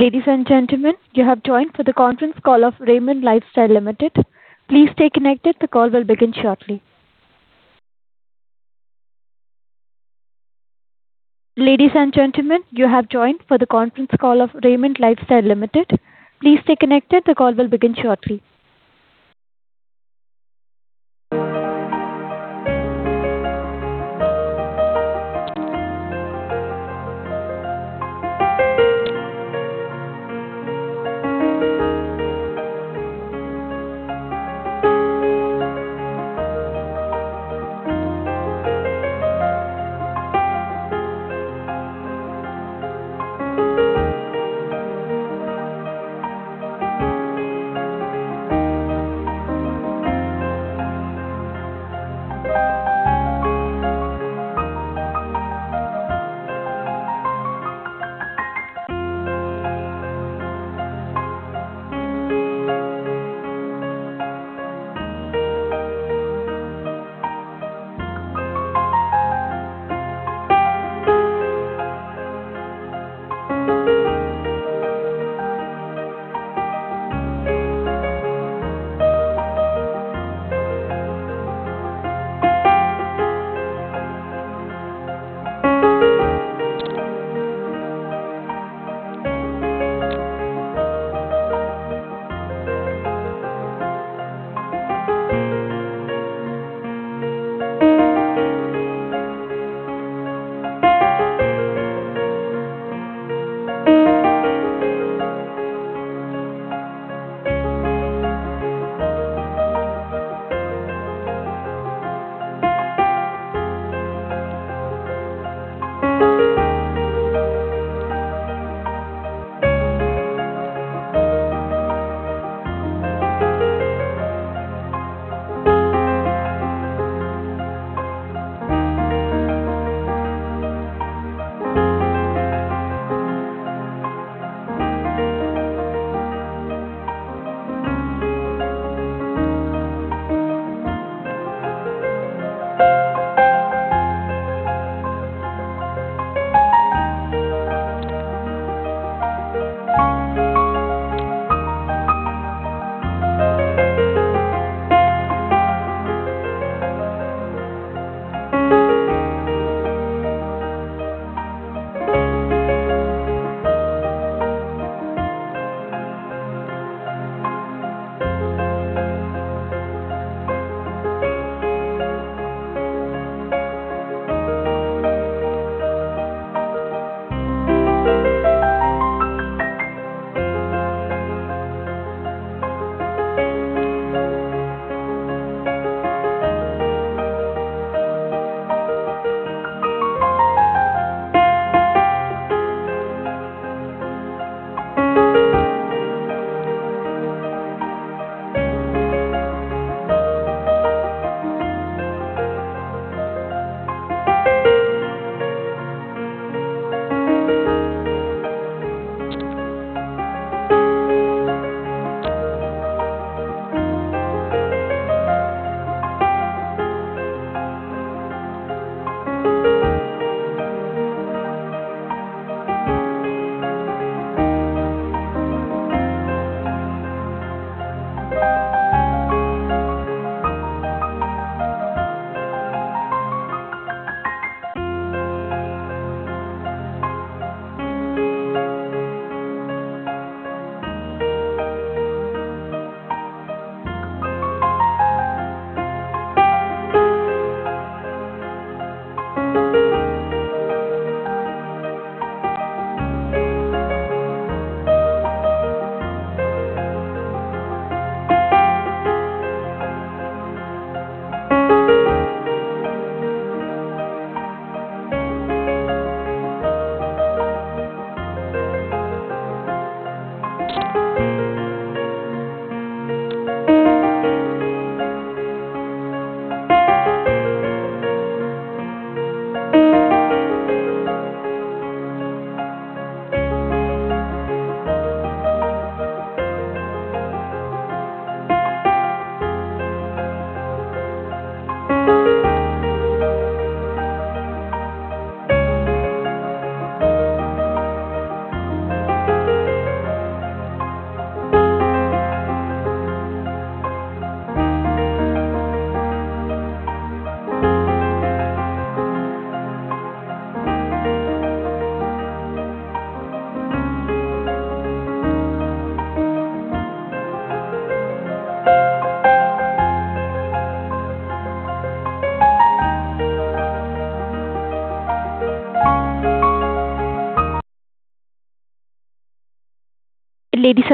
Ladies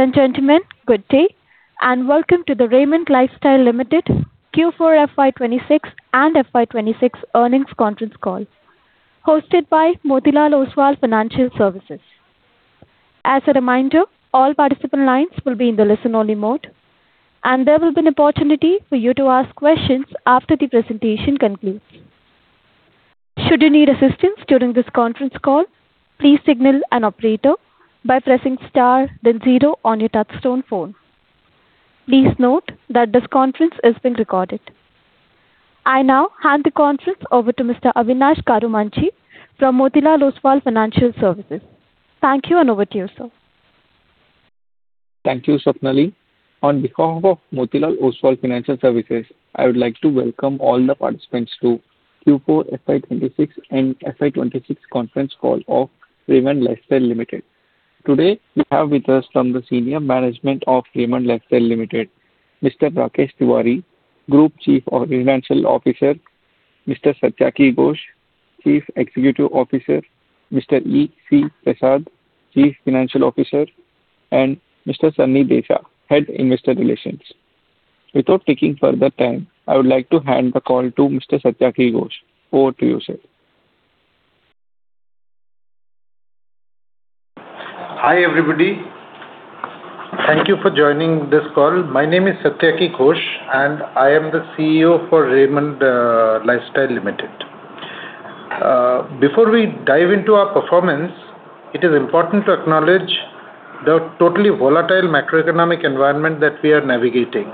and gentlemen, good day, and welcome to the Raymond Lifestyle Limited Q4 FY 2026 and FY 2026 earnings conference call hosted by Motilal Oswal Financial Services. As a reminder, all participant lines will be in the listen-only mode, and there will be an opportunity for you to ask questions after the presentation concludes. Should you need assistance during this conference call, please signal an operator by pressing star then zero on your touchstone phone. Please note that this conference is being recorded. I now hand the conference over to Mr. Avinash Karumanchi from Motilal Oswal Financial Services. Thank you, and over to you, sir. Thank you, Swapnali. On behalf of Motilal Oswal Financial Services, I would like to welcome all the participants to Q4 FY 2026 and FY 2026 conference call of Raymond Lifestyle Limited. Today, we have with us from the senior management of Raymond Lifestyle Limited, Mr. Rakesh Tiwary, Group Chief Financial Officer, Mr. Satyaki Ghosh, Chief Executive Officer, Mr. E.C. Prasad, Chief Financial Officer, and Mr. Sunny Desa, Head Investor Relations. Without taking further time, I would like to hand the call to Mr. Satyaki Ghosh. Over to you, sir. Hi, everybody. Thank you for joining this call. My name is Satyaki Ghosh, and I am the CEO for Raymond Lifestyle Limited. Before we dive into our performance, it is important to acknowledge the totally volatile macroeconomic environment that we are navigating.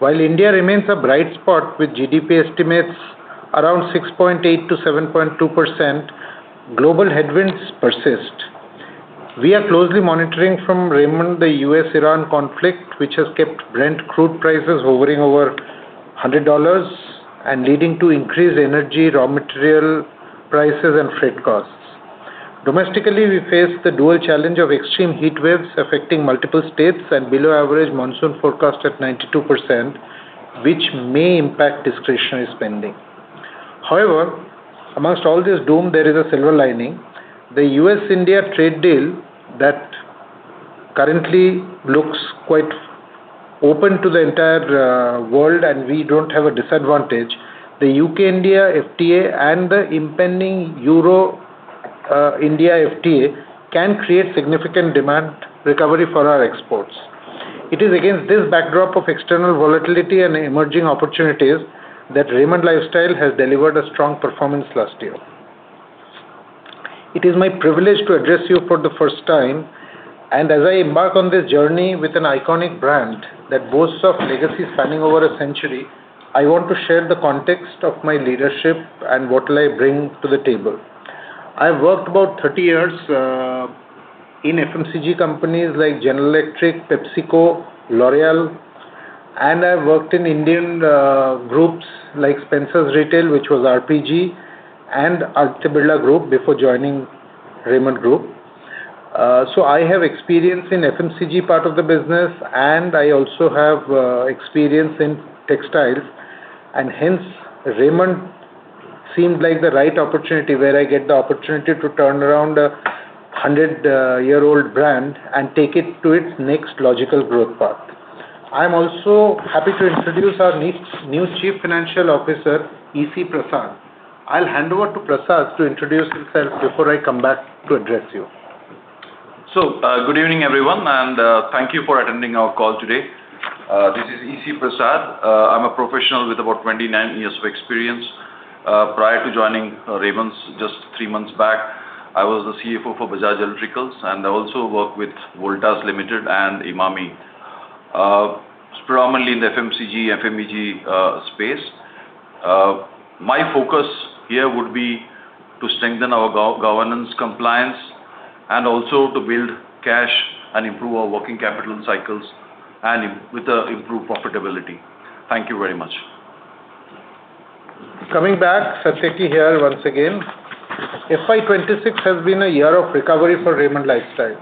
While India remains a bright spot with GDP estimates around 6.8% to 7.2%, global headwinds persist. We are closely monitoring from Raymond the U.S.-Iran conflict, which has kept Brent crude prices hovering over $100 and leading to increased energy, raw material prices, and freight costs. Domestically, we face the dual challenge of extreme heat waves affecting multiple states and below-average monsoon forecast at 92%, which may impact discretionary spending. Amongst all this doom, there is a silver lining. The U.S.-India trade deal that currently looks quite open to the entire world and we don't have a disadvantage, the U.K.-India FTA and the impending Euro-India FTA can create significant demand recovery for our exports. It is against this backdrop of external volatility and emerging opportunities that Raymond Lifestyle has delivered a strong performance last year. It is my privilege to address you for the first time, and as I embark on this journey with an iconic brand that boasts of legacy spanning over a century, I want to share the context of my leadership and what will I bring to the table. I've worked about 30 years in FMCG companies like General Electric, PepsiCo, L'Oréal, and I've worked in Indian groups like Spencer's Retail, which was RPG, and Aditya Birla Group before joining Raymond Group. I have experience in FMCG part of the business, and I also have experience in textiles. Hence, Raymond seemed like the right opportunity where I get the opportunity to turn around a 100-year-old brand and take it to its next logical growth path. I'm also happy to introduce our new Chief Financial Officer, E.C. Prasad. I'll hand over to Prasad to introduce himself before I come back to address you. Good evening, everyone, and thank you for attending our call today. This is E.C. Prasad. I'm a professional with about 29 years of experience. Prior to joining Raymond just three months back, I was the CFO for Bajaj Electricals, and I also worked with Voltas Limited and Emami, predominantly in the FMCG, FMEG space. My focus here would be to strengthen our governance compliance and also to build cash and improve our working capital cycles and with improved profitability. Thank you very much. Coming back, Satyaki here once again. FY 2026 has been a year of recovery for Raymond Lifestyle.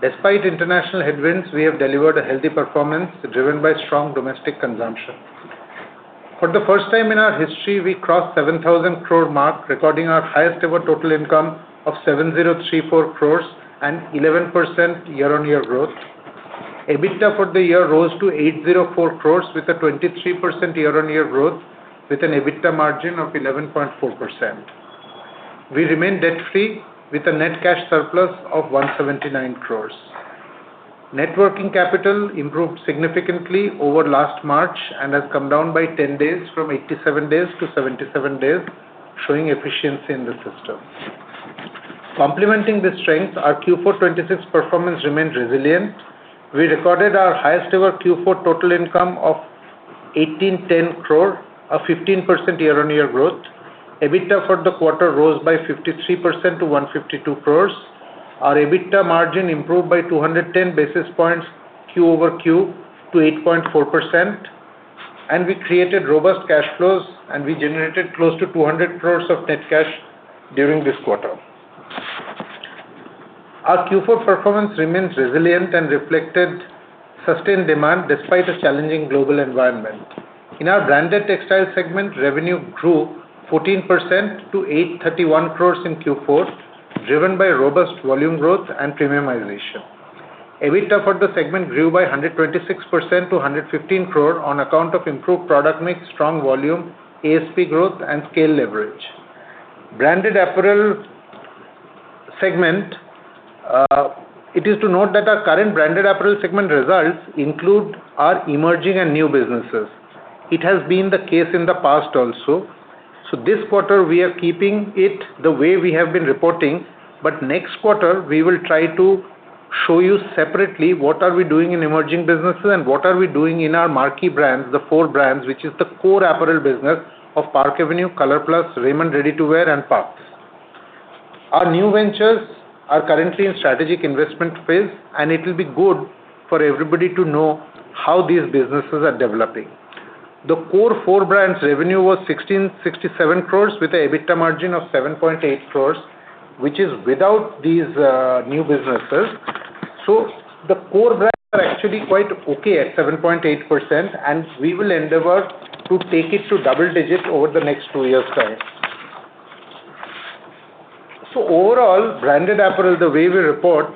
Despite international headwinds, we have delivered a healthy performance driven by strong domestic consumption. For the first time in our history, we crossed 7,000 crore mark, recording our highest ever total income of 7,034 crores and 11% year-on-year growth. EBITDA for the year rose to 804 crores with a 23% year-on-year growth with an EBITDA margin of 11.4%. We remain debt-free with a net cash surplus of 179 crores. Net working capital improved significantly over last March and has come down by 10 days from 87 days to 77 days, showing efficiency in the system. Complementing this strength, our Q4 2026 performance remained resilient. We recorded our highest ever Q4 total income of 1,810 crore, a 15% year-on-year growth. EBITDA for the quarter rose by 53% to 152 crores. Our EBITDA margin improved by 210 basis points Q-over-Q to 8.4%, and we created robust cash flows, and we generated close to 200 crores of net cash during this quarter. Our Q4 performance remains resilient and reflected sustained demand despite a challenging global environment. In our Branded Textile Segment, revenue grew 14% to 831 crores in Q4, driven by robust volume growth and premiumization. EBITDA for the segment grew by 126% to 115 crore on account of improved product mix, strong volume, ASP growth, and scale leverage. Branded Apparel Segment, it is to note that our current Branded Apparel Segment results include our emerging and new businesses. It has been the case in the past also. This quarter, we are keeping it the way we have been reporting, but next quarter, we will try to show you separately what are we doing in emerging businesses and what are we doing in our marquee brands, the four brands, which is the core apparel business of Park Avenue, ColorPlus, Raymond Ready To Wear and Parx. Our new ventures are currently in strategic investment phase, and it will be good for everybody to know how these businesses are developing. The core four brands revenue was 1,667 crores with a EBITDA margin of 7.8%, which is without these new businesses. The core brands are actually quite okay at 7.8%, and we will endeavor to take it to double digits over the next two years' time. Overall, branded apparel, the way we report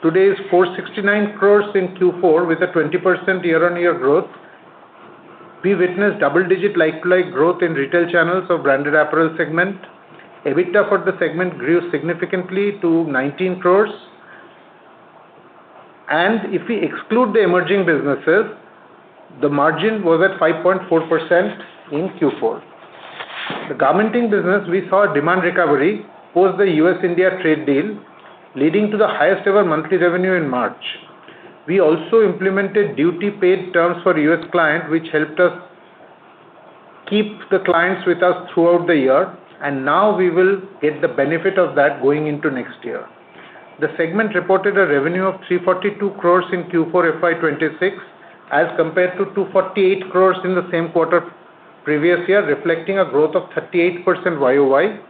today is 469 crores in Q4 with a 20% year-on-year growth. We witnessed double-digit like-to-like growth in retail channels of branded apparel segment. EBITDA for the segment grew significantly to 19 crores. If we exclude the emerging businesses, the margin was at 5.4% in Q4. The garmenting business, we saw demand recovery post the U.S.-India trade deal, leading to the highest ever monthly revenue in March. We also implemented duty paid terms for U.S. client, which helped us keep the clients with us throughout the year, and now we will get the benefit of that going into next year. The segment reported a revenue of 342 crores in Q4 FY 2026, as compared to 248 crores in the same quarter previous year, reflecting a growth of 38% YoY.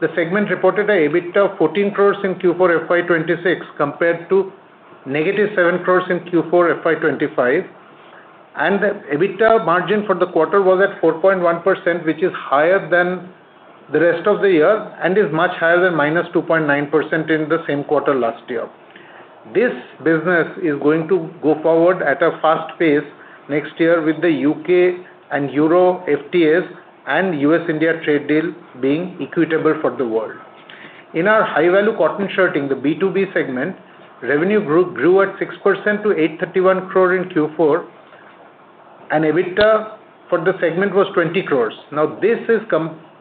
The segment reported a EBITDA of 14 crores in Q4 FY 2026 compared to negative 7 crores in Q4 FY 2025. The EBITDA margin for the quarter was at 4.1%, which is higher than the rest of the year and is much higher than minus 2.9% in the same quarter last year. This business is going to go forward at a fast pace next year with the U.K. and Euro FTAs and U.S.-India trade deal being equitable for the world. In our high-value cotton shirting, the B2B segment, revenue grew at 6% to 831 crore in Q4, and EBITDA for the segment was 20 crores. Now, this is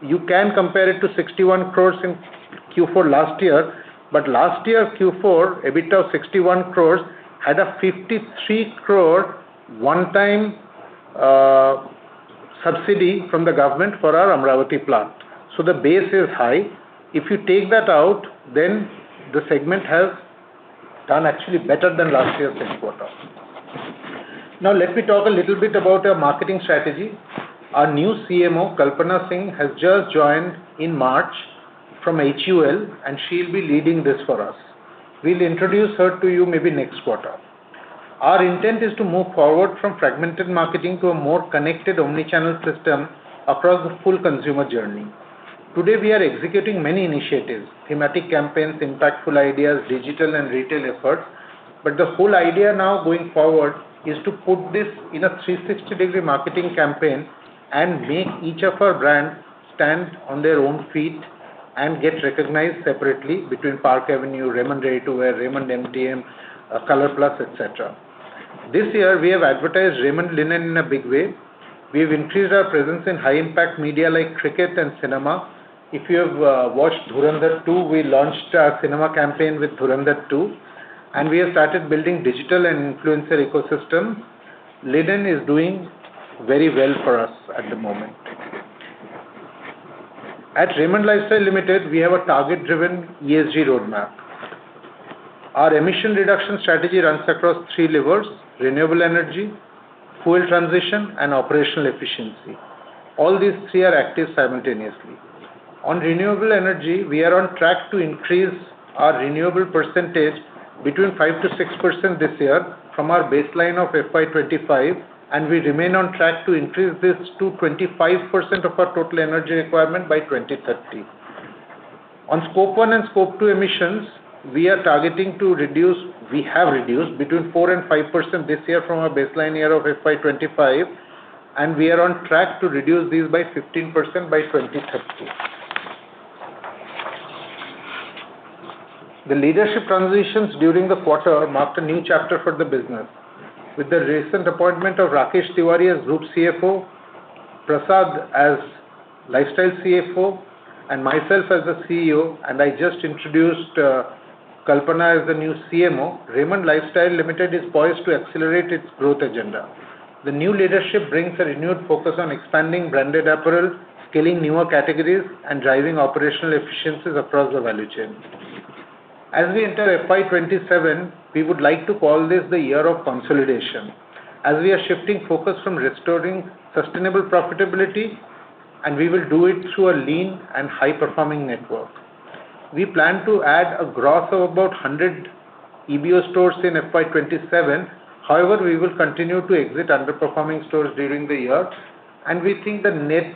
you can compare it to 61 crores in Q4 last year. Last year's Q4, EBITDA of 61 crore had a 53 crore one-time subsidy from the government for our Amravati plant. The base is high. If you take that out, then the segment has done actually better than last year's same quarter. Let me talk a little bit about our marketing strategy. Our new CMO, Kalpana Singh, has just joined in March from HUL, and she'll be leading this for us. We'll introduce her to you maybe next quarter. Our intent is to move forward from fragmented marketing to a more connected omni-channel system across the full consumer journey. Today, we are executing many initiatives, thematic campaigns, impactful ideas, digital and retail efforts. The whole idea now going forward is to put this in a 360-degree marketing campaign and make each of our brands stand on their own feet and get recognized separately between Park Avenue, Raymond Ready To Wear, Raymond MTM, ColorPlus, et cetera. This year, we have advertised Raymond Linen in a big way. We've increased our presence in high-impact media like cricket and cinema. If you have watched Dhurandhar two, we launched our cinema campaign with Dhurandhar two, and we have started building digital and influencer ecosystems. Linen is doing very well for us at the moment. At Raymond Lifestyle Limited, we have a target-driven ESG roadmap. Our emission reduction strategy runs across three levers: renewable energy, fuel transition, and operational efficiency. All these three are active simultaneously. On renewable energy, we are on track to increase our renewable percentage between 5%-6% this year from our baseline of FY 2025, and we remain on track to increase this to 25% of our total energy requirement by 2030. On scope one and scope two emissions, we have reduced between 4% and 5% this year from our baseline year of FY 2025, and we are on track to reduce these by 15% by 2030. The leadership transitions during the quarter marked a new chapter for the business. With the recent appointment of Rakesh Tiwary as Group CFO, Prasad as Lifestyle CFO, and myself as the CEO, and I just introduced Kalpana as the new CMO, Raymond Lifestyle Limited is poised to accelerate its growth agenda. The new leadership brings a renewed focus on expanding branded apparel, scaling newer categories, and driving operational efficiencies across the value chain. As we enter FY 2027, we would like to call this the year of consolidation, as we are shifting focus from restoring sustainable profitability, and we will do it through a lean and high-performing network. We plan to add a gross of about 100 EBO stores in FY 2027. However, we will continue to exit underperforming stores during the year, and we think the net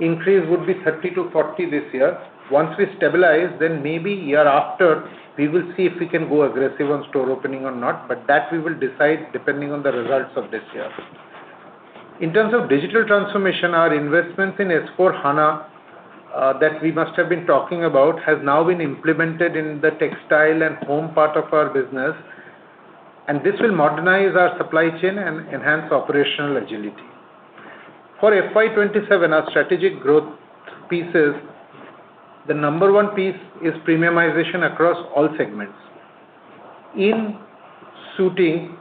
increase would be 30-40 this year. Once we stabilize, then maybe year after, we will see if we can go aggressive on store opening or not, but that we will decide depending on the results of this year. In terms of digital transformation, our investments in S/4HANA, that we must have been talking about, has now been implemented in the textile and home part of our business. This will modernize our supply chain and enhance operational agility. For FY 2027, our strategic growth pieces, the number one piece is premiumization across all segments. In suiting,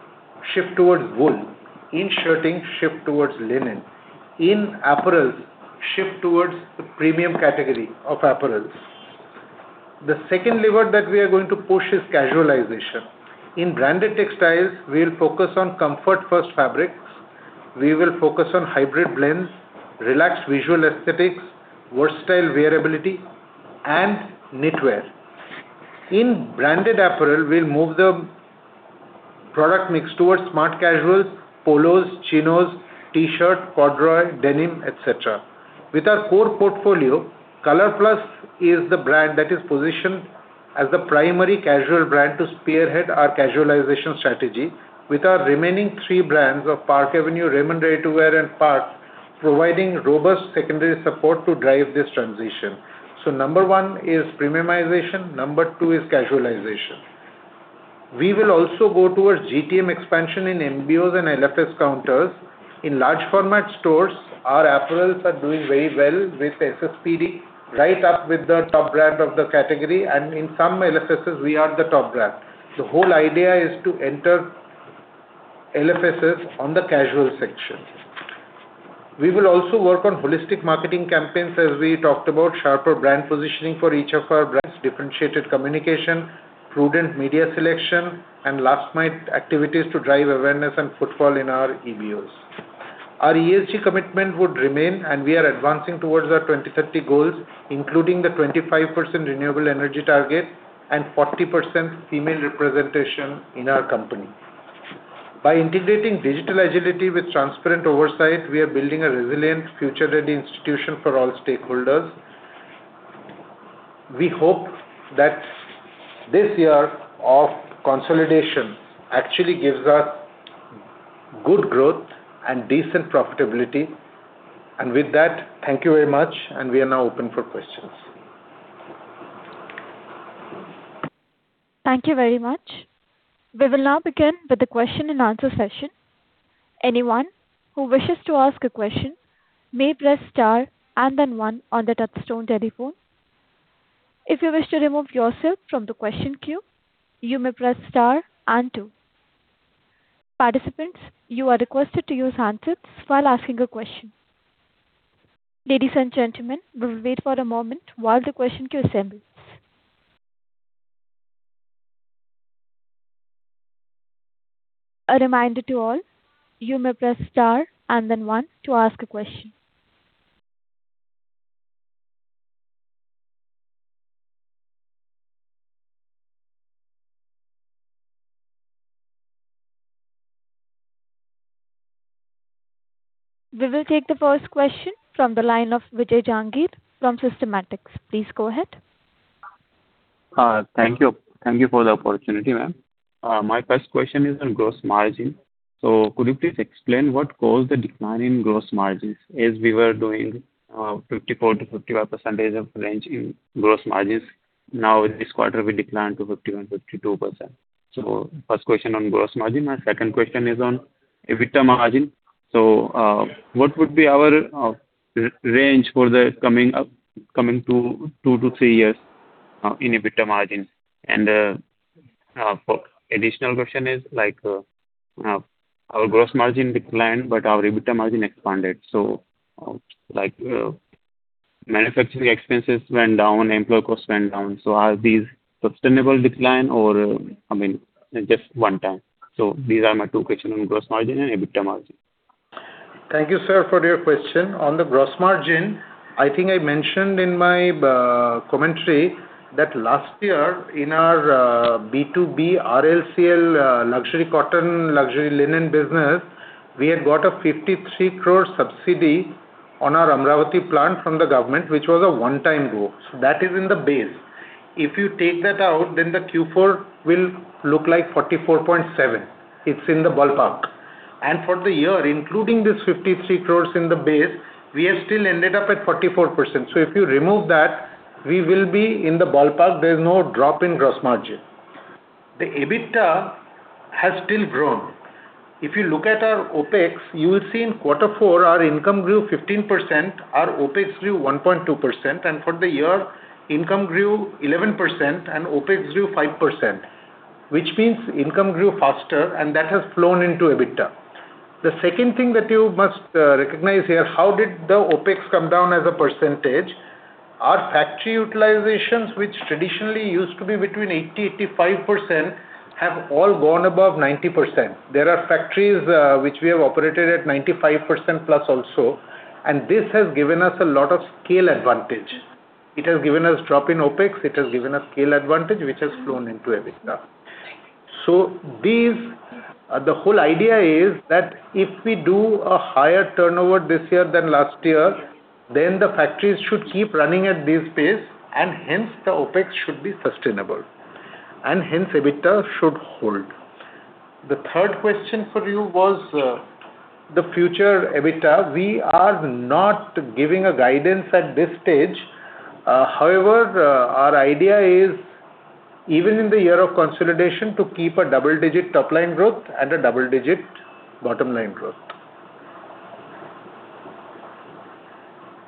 shift towards wool. In shirting, shift towards linen. In apparels, shift towards the premium category of apparels. The second lever that we are going to push is casualization. In branded textiles, we'll focus on comfort-first fabrics. We will focus on hybrid blends, relaxed visual aesthetics, versatile wearability and knitwear. In branded apparel, we'll move the product mix towards smart casuals, polos, chinos, T-shirt, corduroy, denim, et cetera. With our core portfolio, ColorPlus is the brand that is positioned as the primary casual brand to spearhead our casualization strategy with our remaining three brands of Park Avenue, Raymond Ready to Wear and Park providing robust secondary support to drive this transition. Number one is premiumization, number two is casualization. We will also go towards GTM expansion in MBOs and LFS counters. In large format stores, our apparels are doing very well with SSPD right up with the top brand of the category, and in some LFSs we are the top brand. The whole idea is to enter LFSs on the casual section. We will also work on holistic marketing campaigns, as we talked about sharper brand positioning for each of our brands, differentiated communication, prudent media selection, and last mile activities to drive awareness and footfall in our EBOs. Our ESG commitment would remain, and we are advancing towards our 2030 goals, including the 25% renewable energy target and 40% female representation in our company. By integrating digital agility with transparent oversight, we are building a resilient future-ready institution for all stakeholders. With that, thank you very much, and we are now open for questions. Thank you very much. We will now begin with the question and answer session. Anyone who wishes to ask a question may press star and then one on the touchstone telephone. If you wish to remove yourself from the question queue, you may press star and two. Participants, you are requested to use handsets while asking a question. Ladies and gentlemen, we will wait for a moment while the question queue assembles. A reminder to all, you may press star and then one to ask a question. We will take the first question from the line of Vijay Jangir from Systematix. Please go ahead. Thank you. Thank you for the opportunity, ma'am. My first question is on gross margin. Could you please explain what caused the decline in gross margins? As we were doing 54%-55% of range in gross margins, now this quarter we declined to 51%-52%. First question on gross margin. My second question is on EBITDA margin. What would be our range for the coming two to three years in EBITDA margin? For additional question is, like, our gross margin declined, but our EBITDA margin expanded. Like, manufacturing expenses went down, employee costs went down. Are these sustainable decline or, I mean, just one time? These are my two question on gross margin and EBITDA margin. Thank you, sir, for your question. On the gross margin, I think I mentioned in my commentary that last year in our B2B RLCL luxury cotton, luxury linen business, we had got an 53 crore subsidy on our Amravati plant from the government, which was a one-time go. That is in the base. If you take that out, the Q4 will look like 44.7%. It's in the ballpark. For the year, including this 53 crore in the base, we have still ended up at 44%. If you remove that, we will be in the ballpark. There's no drop in gross margin. The EBITDA has still grown. If you look at our OpEx, you will see in quarter four, our income grew 15%, our OpEx grew 1.2%. For the year, income grew 11% and OpEx grew 5%, which means income grew faster, and that has flown into EBITDA. The second thing that you must recognize here, how did the OpEx come down as a percentage? Our factory utilizations, which traditionally used to be between 80%, 85%, have all gone above 90%. There are factories, which we have operated at 95% plus also, and this has given us a lot of scale advantage. It has given us drop in OpEx. It has given us scale advantage, which has flown into EBITDA. These, the whole idea is that if we do a higher turnover this year than last year, then the factories should keep running at this pace, and hence the OpEx should be sustainable, and hence EBITDA should hold. The third question for you was, The future EBITDA, we are not giving a guidance at this stage. However, our idea is even in the year of consolidation to keep a double-digit top line growth and a double-digit bottom line growth.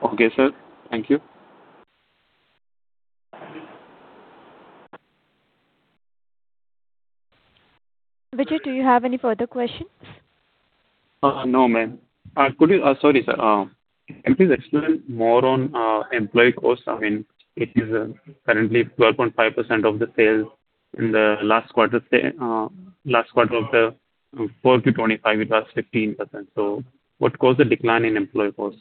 Okay, sir. Thank you. Vijay, do you have any further questions? No, ma'am. Sorry, sir. Can you please explain more on employee costs? I mean, it is currently 12.5% of the sales in the last quarter of 2025, it was 15%. What caused the decline in employee cost?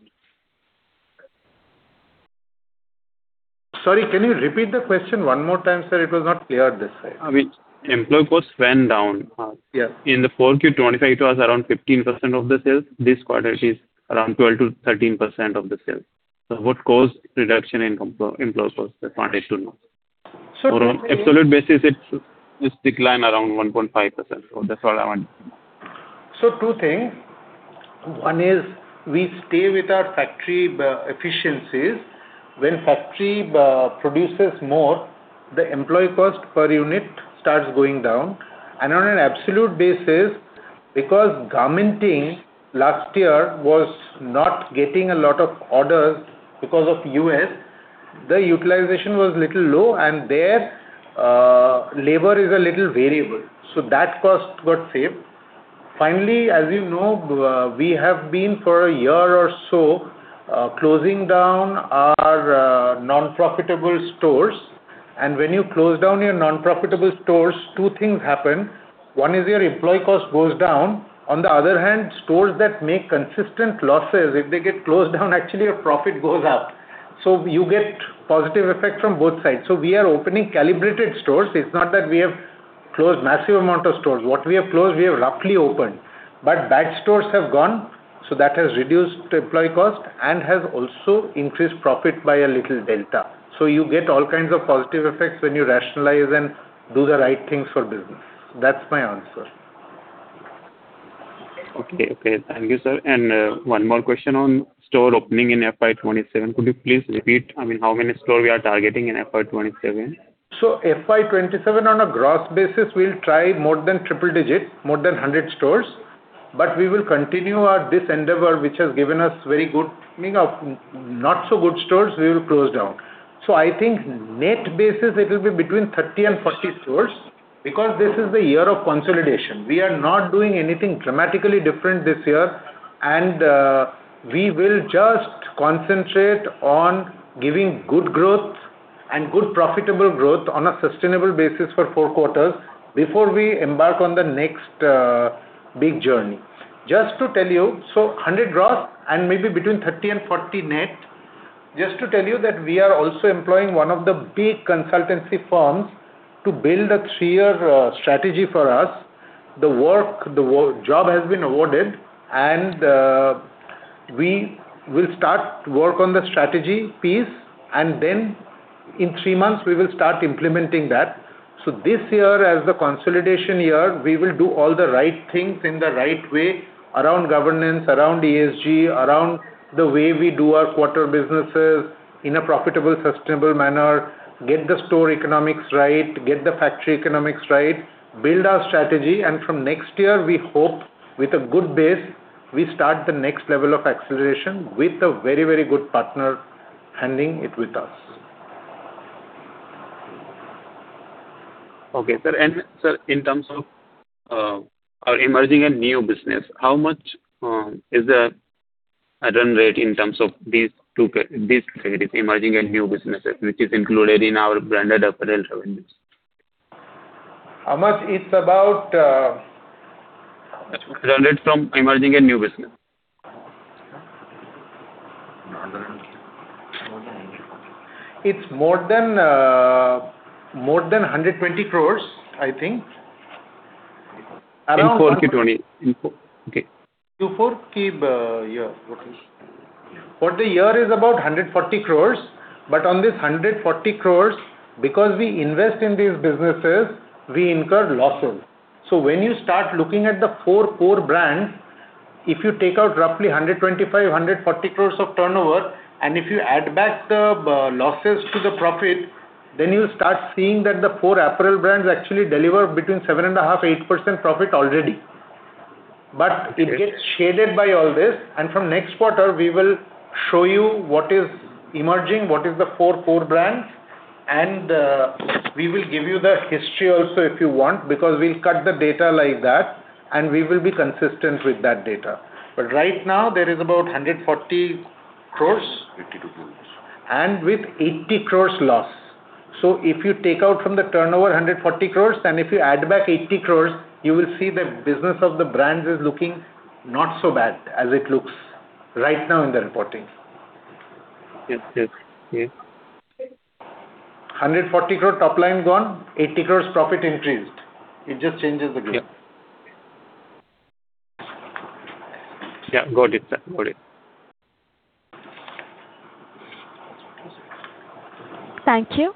Sorry, can you repeat the question one more time, sir? It was not clear this side. I mean, employee costs went down. Yes. In the 4Q 2025, it was around 15% of the sales. This quarter it is around 12%-13% of the sales. What caused reduction in employee cost? That's what I want to know. So- On absolute basis, it's decline around 1.5%. That's all I want to know. Two things. One is we stay with our factory efficiencies. When factory produces more, the employee cost per unit starts going down. On an absolute basis, because garmenting last year was not getting a lot of orders because of U.S., the utilization was little low, and their labor is a little variable. That cost got saved. As you know, we have been for a year or so closing down our non-profitable stores. When you close down your non-profitable stores, two things happen. One is your employee cost goes down. On the other hand, stores that make consistent losses, if they get closed down, actually your profit goes up. You get positive effect from both sides. We are opening calibrated stores. It's not that we have closed massive amount of stores. What we have closed, we have roughly opened. Bad stores have gone, so that has reduced employee cost and has also increased profit by a little delta. You get all kinds of positive effects when you rationalize and do the right things for business. That's my answer. Okay. Okay. Thank you, sir. One more question on store opening in FY 2027. Could you please repeat, I mean, how many store we are targeting in FY 2027? FY 2027 on a gross basis, we'll try more than triple-digit, more than 100 stores. We will continue our I mean, not so good stores, we will close down. I think net basis it will be between 30 and 40 stores, because this is the year of consolidation. We are not doing anything dramatically different this year. We will just concentrate on giving good growth and good profitable growth on a sustainable basis for four quarters before we embark on the next big journey. Just to tell you, 100 gross and maybe between 30 and 40 net. Just to tell you that we are also employing one of the big consultancy firms to build a three-year strategy for us. The work, the job has been awarded. We will start work on the strategy piece. Then in three months we will start implementing that. This year as the consolidation year, we will do all the right things in the right way around governance, around ESG, around the way we do our quarter businesses in a profitable, sustainable manner, get the store economics right, get the factory economics right, build our strategy. From next year, we hope with a good base, we start the next level of acceleration with a very good partner handling it with us. Okay, sir. Sir, in terms of our emerging and new business, how much is the add-on rate in terms of these two categories, emerging and new businesses, which is included in our branded apparel revenues? How much? It's about Revenue from emerging and new business. It's more than 120 crores, I think. In 4Q 2020. In four okay. To Q4, year. For the year is about 140 crores. On this 140 crores, because we invest in these businesses, we incur losses. When you start looking at the four core brands, if you take out roughly 125, 140 crores of turnover, and if you add back the losses to the profit, then you start seeing that the four apparel brands actually deliver between 7.5%-8% profit already. It gets shaded by all this. From next quarter, we will show you what is emerging, what is the four core brands. We will give you the history also if you want, because we'll cut the data like that, and we will be consistent with that data. Right now there is about 140 crores. 82 crores. With 80 crores loss. If you take out from the turnover 140 crores, and if you add back 80 crores, you will see the business of the brands is looking not so bad as it looks right now in the reporting. Yes. Yes. Yes. 140 crore top line gone, 80 crores profit increased. It just changes the game. Yeah. Yeah, got it, sir. Got it. Thank you.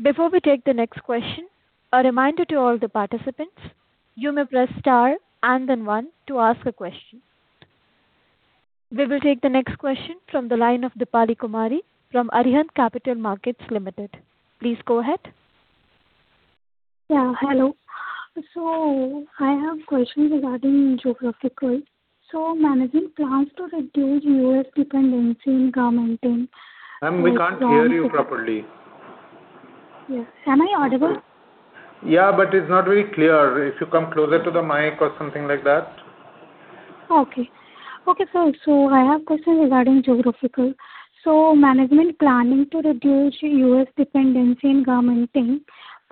Before we take the next question, a reminder to all the participants, you may press star and then one to ask a question. We will take the next question from the line of Deepali Kumari from Arihant Capital Markets Limited. Please go ahead. Yeah, hello. I have question regarding geographical. Management plans to reduce U.S. dependency in garmenting from 60- Ma'am, we can't hear you properly. Yes. Am I audible? Yeah, it's not very clear. If you come closer to the mic or something like that. Okay. Okay, sir. I have question regarding geographical. Management planning to reduce U.S. dependency in garmenting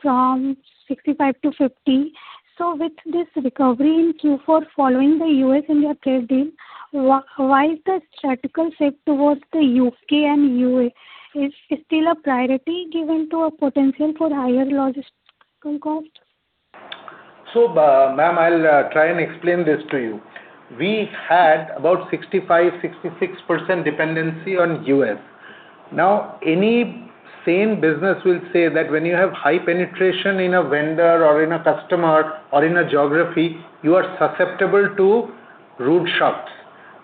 from 65 to 50. With this recovery in Q4 following the U.S. India trade deal, why is the strategic shift towards the U.K. and EU still a priority given to a potential for higher logistical cost? Ma'am, I'll try and explain this to you. We had about 65-66% dependency on U.S. Now, any sane business will say that when you have high penetration in a vendor or in a customer or in a geography, you are susceptible to rude shocks.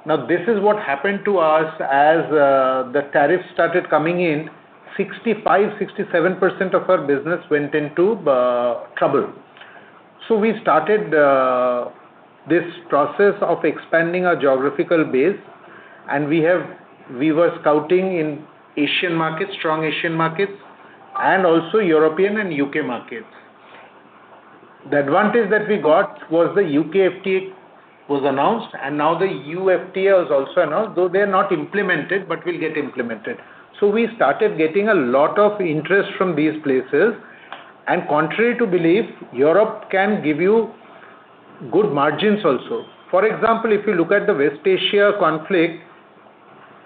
Now, this is what happened to us as the tariff started coming in, 65%-67% of our business went into trouble. We started this process of expanding our geographical base, and we were scouting in Asian markets, strong Asian markets, and also European and U.K. markets. The advantage that we got was the U.K. FTA was announced, and now the EU FTA was also announced, though they're not implemented but will get implemented. We started getting a lot of interest from these places. Contrary to belief, Europe can give you good margins also. For example, if you look at the West Asia conflict,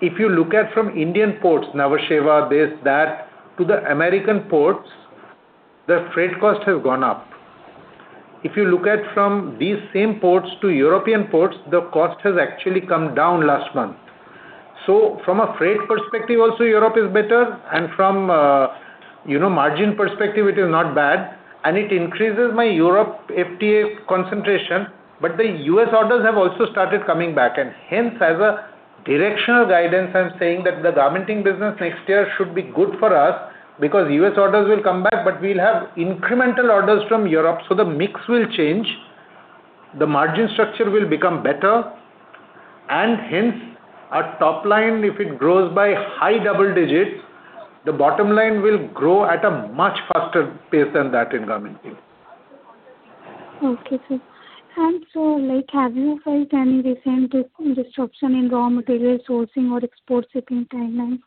if you look at from Indian ports, Nhava Sheva, this, that, to the U.S. ports, the freight costs have gone up. If you look at from these same ports to European ports, the cost has actually come down last month. From a freight perspective also, Europe is better and from, you know, margin perspective it is not bad and it increases my Europe FTA concentration. The U.S. orders have also started coming back and hence as a directional guidance, I am saying that the garmenting business next year should be good for us because U.S. orders will come back, but we will have incremental orders from Europe, so the mix will change. The margin structure will become better and hence our top line, if it grows by high double digits, the bottom line will grow at a much faster pace than that in garmenting. Okay, sir. Like have you faced any recent disruption in raw material sourcing or export shipping timelines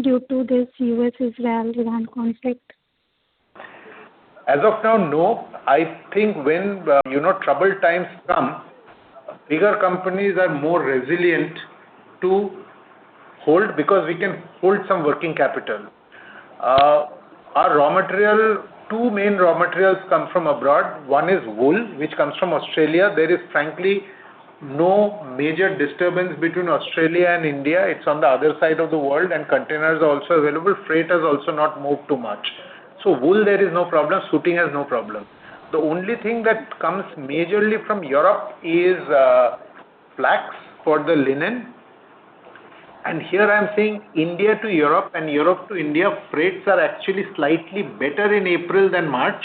due to this U.S.-Israel-Iran conflict? As of now, no. I think when, you know, troubled times come, bigger companies are more resilient to hold because we can hold some working capital. Our raw material, two main raw materials come from abroad. One is wool, which comes from Australia. There is frankly no major disturbance between Australia and India. It's on the other side of the world. Containers are also available. Freight has also not moved too much. Wool there is no problem. Suiting has no problem. The only thing that comes majorly from Europe is flax for the linen. Here I'm seeing India to Europe and Europe to India freights are actually slightly better in April than March.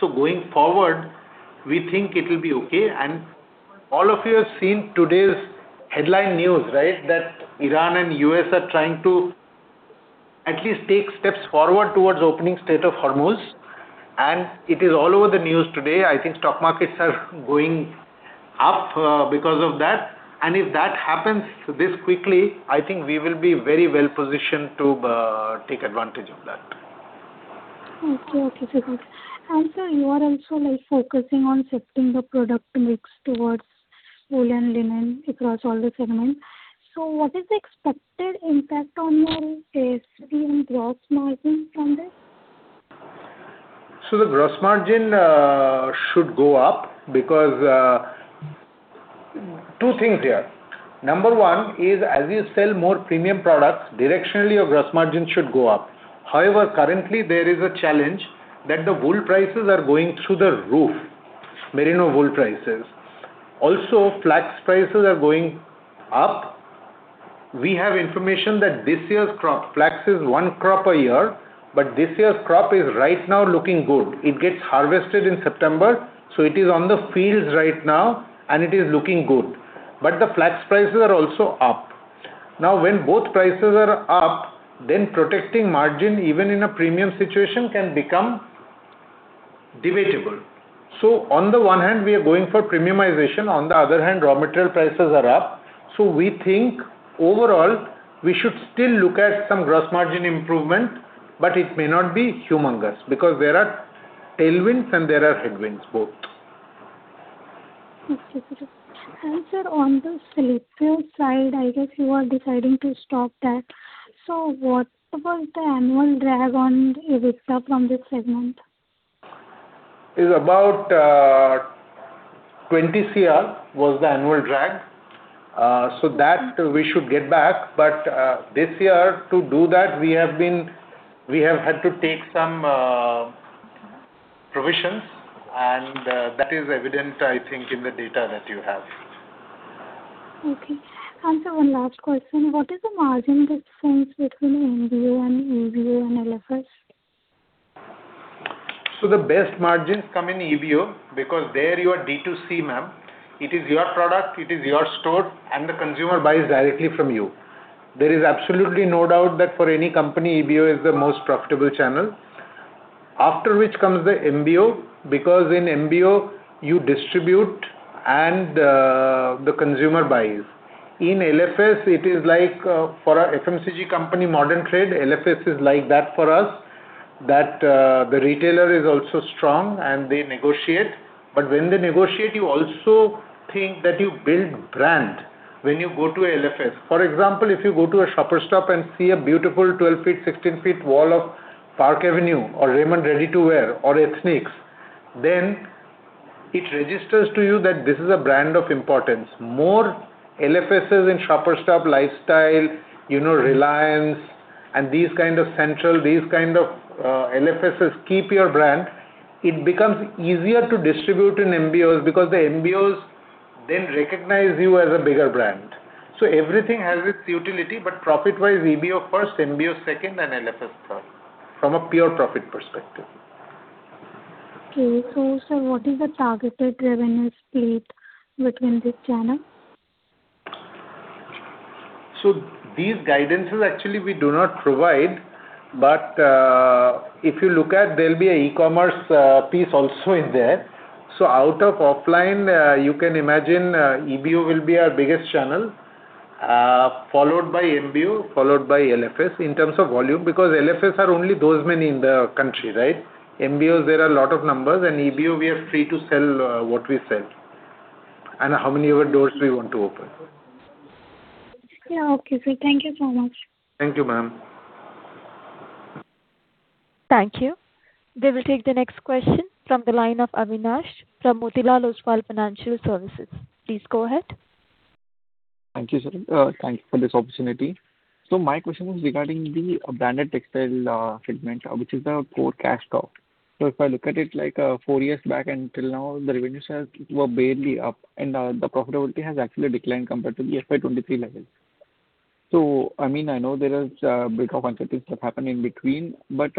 Going forward we think it will be okay. All of you have seen today's headline news, right? That Iran and U.S. are trying to at least take steps forward towards opening Strait of Hormuz. It is all over the news today. I think stock markets are going up because of that. If that happens this quickly, I think we will be very well positioned to take advantage of that. Okay. Okay, sir. Good. Sir, you are also like focusing on shifting the product mix towards wool and linen across all the segments. What is the expected impact on your ASP and gross margin from this? The gross margin should go up because two things here. Number one is as you sell more premium products, directionally your gross margin should go up. However, currently there is a challenge that the wool prices are going through the roof, Merino wool prices. Also, flax prices are going up. We have information that this year's crop, flax is one crop a year, but this year's crop is right now looking good. It gets harvested in September, so it is on the fields right now and it is looking good. The flax prices are also up. When both prices are up, protecting margin, even in a premium situation can become debatable. On the one hand we are going for premiumization, on the other hand raw material prices are up. We think overall we should still look at some gross margin improvement, but it may not be humongous because there are tailwinds and there are headwinds both. Okay, sir. Sir, on the Sleepz side, I guess you are deciding to stop that. What was the annual drag on the EBITDA from this segment? Is about 20 crore was the annual drag. That we should get back. This year to do that, we have had to take some provisions, and that is evident, I think, in the data that you have. Okay. Sir, one last question. What is the margin difference between MBO and EBO and LFS? The best margins come in EBO because there you are D2C, ma'am. It is your product, it is your store, and the consumer buys directly from you. There is absolutely no doubt that for any company, EBO is the most profitable channel. After which comes the MBO, because in MBO you distribute and the consumer buys. In LFS, it is like for a FMCG company, modern trade, LFS is like that for us, that the retailer is also strong and they negotiate. When they negotiate, you also think that you build brand when you go to LFS. For example, if you go to a Shoppers Stop and see a beautiful 12 feet, 16 feet wall of Park Avenue or Raymond Ready To Wear or Ethnix, then it registers to you that this is a brand of importance. More LFSs in Shoppers Stop, Lifestyle, you know, Reliance and these kind of Central, these kind of LFSs keep your brand. It becomes easier to distribute in MBOs because the MBOs then recognize you as a bigger brand. Everything has its utility, but profit-wise, EBO first, MBO second, and LFS third. From a pure profit perspective. Okay. Sir, what is the targeted revenue split between these channels? These guidances actually we do not provide, but if you look at there'll be an e-commerce piece also in there. Out of offline, you can imagine, EBO will be our biggest channel, followed by MBO, followed by LFS in terms of volume. Because LFS are only those many in the country, right? MBOs, there are a lot of numbers, and EBO, we are free to sell what we sell and how many ever doors we want to open. Yeah. Okay, sir. Thank you so much. Thank you, ma'am. Thank you. We will take the next question from the line of Avinash from Motilal Oswal Financial Services. Please go ahead. Thank you, sir. Thank you for this opportunity. My question was regarding the branded textile segment, which is the core cash cow. If I look at it like, four years back until now, the revenues were barely up and, the profitability has actually declined compared to the FY 2023 levels. I mean, I know there is a bit of uncertain stuff happened in between, but,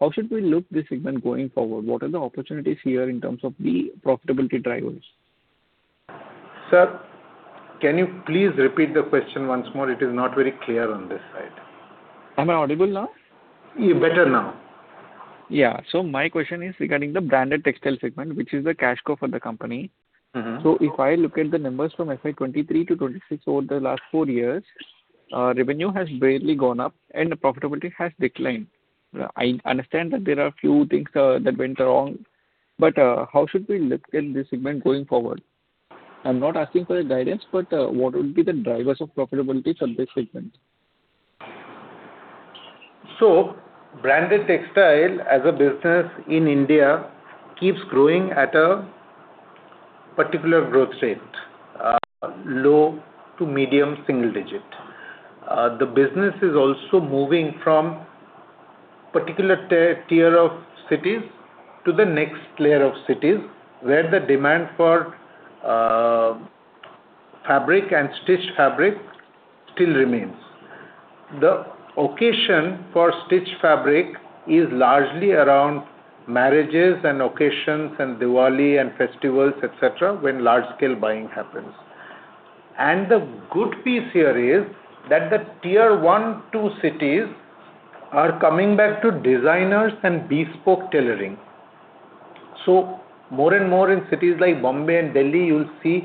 how should we look this segment going forward? What are the opportunities here in terms of the profitability drivers? Sir, can you please repeat the question once more? It is not very clear on this side. Am I audible now? Yeah, better now. Yeah. My question is regarding the branded textile segment, which is the cash cow for the company. If I look at the numbers from FY 2023 to 2026 over the last four years, revenue has barely gone up and the profitability has declined. I understand that there are a few things that went wrong, but how should we look in this segment going forward? I'm not asking for a guidance, but what would be the drivers of profitability for this segment? Branded textile as a business in India keeps growing at a particular growth rate, low to medium single digit. The business is also moving from particular tier of cities to the next layer of cities where the demand for fabric and stitched fabric still remains. The occasion for stitched fabric is largely around marriages and occasions and Diwali and festivals, et cetera, when large scale buying happens. The good piece here is that the tier one, two cities are coming back to designers and bespoke tailoring. More and more in cities like Bombay and Delhi, you'll see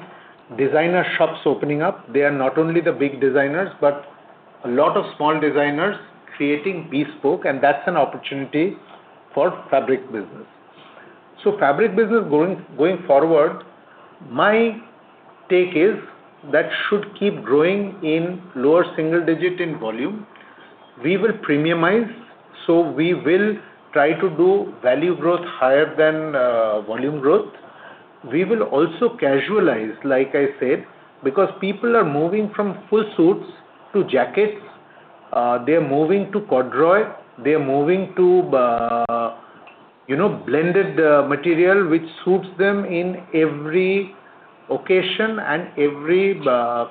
designer shops opening up. They are not only the big designers, but a lot of small designers creating bespoke, and that's an opportunity for fabric business. Fabric business going forward, my take is that should keep growing in lower single digit in volume. We will premiumize. We will try to do value growth higher than volume growth. We will also casualize, like I said, because people are moving from full suits to jackets. They are moving to corduroy. They are moving to, you know, blended material which suits them in every occasion and every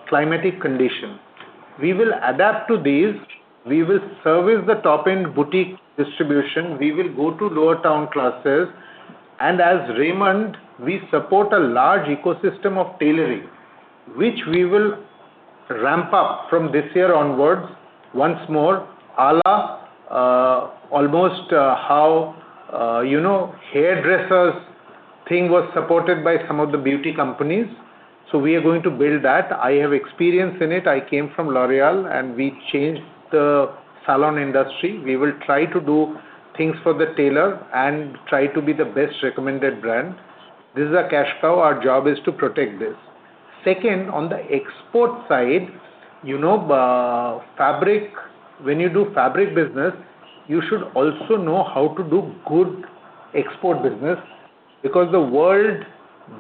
climatic condition. We will adapt to these. We will service the top-end boutique distribution. We will go to lower town classes. As Raymond, we support a large ecosystem of tailoring, which we will ramp up from this year onwards once more, a la, almost how, you know, hairdressers thing was supported by some of the beauty companies. We are going to build that. I have experience in it. I came from L'Oréal. We changed the salon industry. We will try to do things for the tailor and try to be the best recommended brand. This is a cash cow. Our job is to protect this. Second, on the export side, you know, when you do fabric business, you should also know how to do good export business because the world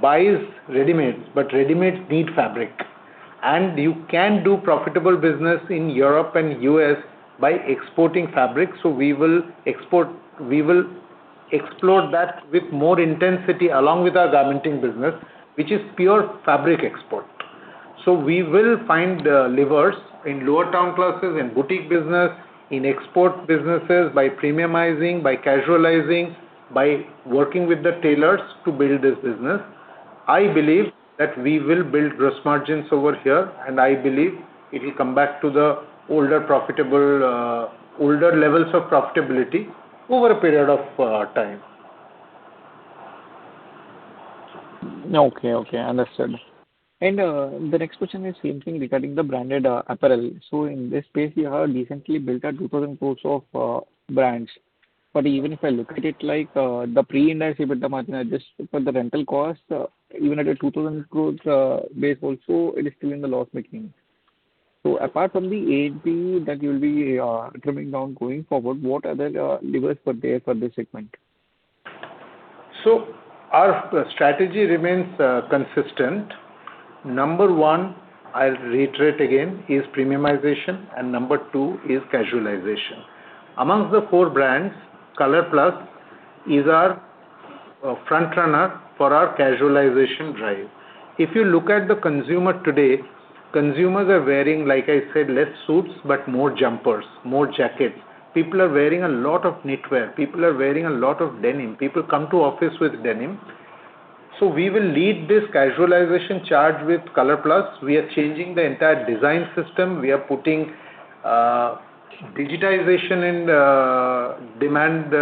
buys readymades, but readymades need fabric. You can do profitable business in Europe and U.S. by exporting fabric. We will export. We will explore that with more intensity along with our garmenting business, which is pure fabric export. We will find levers in lower town classes, in boutique business, in export businesses, by premiumizing, by casualizing, by working with the tailors to build this business. I believe that we will build gross margins over here, and I believe it will come back to the older profitable, older levels of profitability over a period of time. Okay. Okay. Understood. The next question is same thing regarding the branded apparel. In this space, you have recently built up 2,000 crores of brands. Even if I look at it like the pre-interest EBITDA margin, just for the rental cost, even at a 2,000 crores base also it is still in the loss-making. Apart from the A&P that you'll be trimming down going forward, what are the levers for there for this segment? Our strategy remains consistent. Number one, I'll reiterate again, is premiumization, and number two is casualization. Amongst the four brands, ColorPlus is our front runner for our casualization drive. If you look at the consumer today, consumers are wearing, like I said, less suits, but more jumpers, more jackets. People are wearing a lot of knitwear. People are wearing a lot of denim. People come to office with denim. We will lead this casualization charge with ColorPlus. We are changing the entire design system. We are putting digitization and demand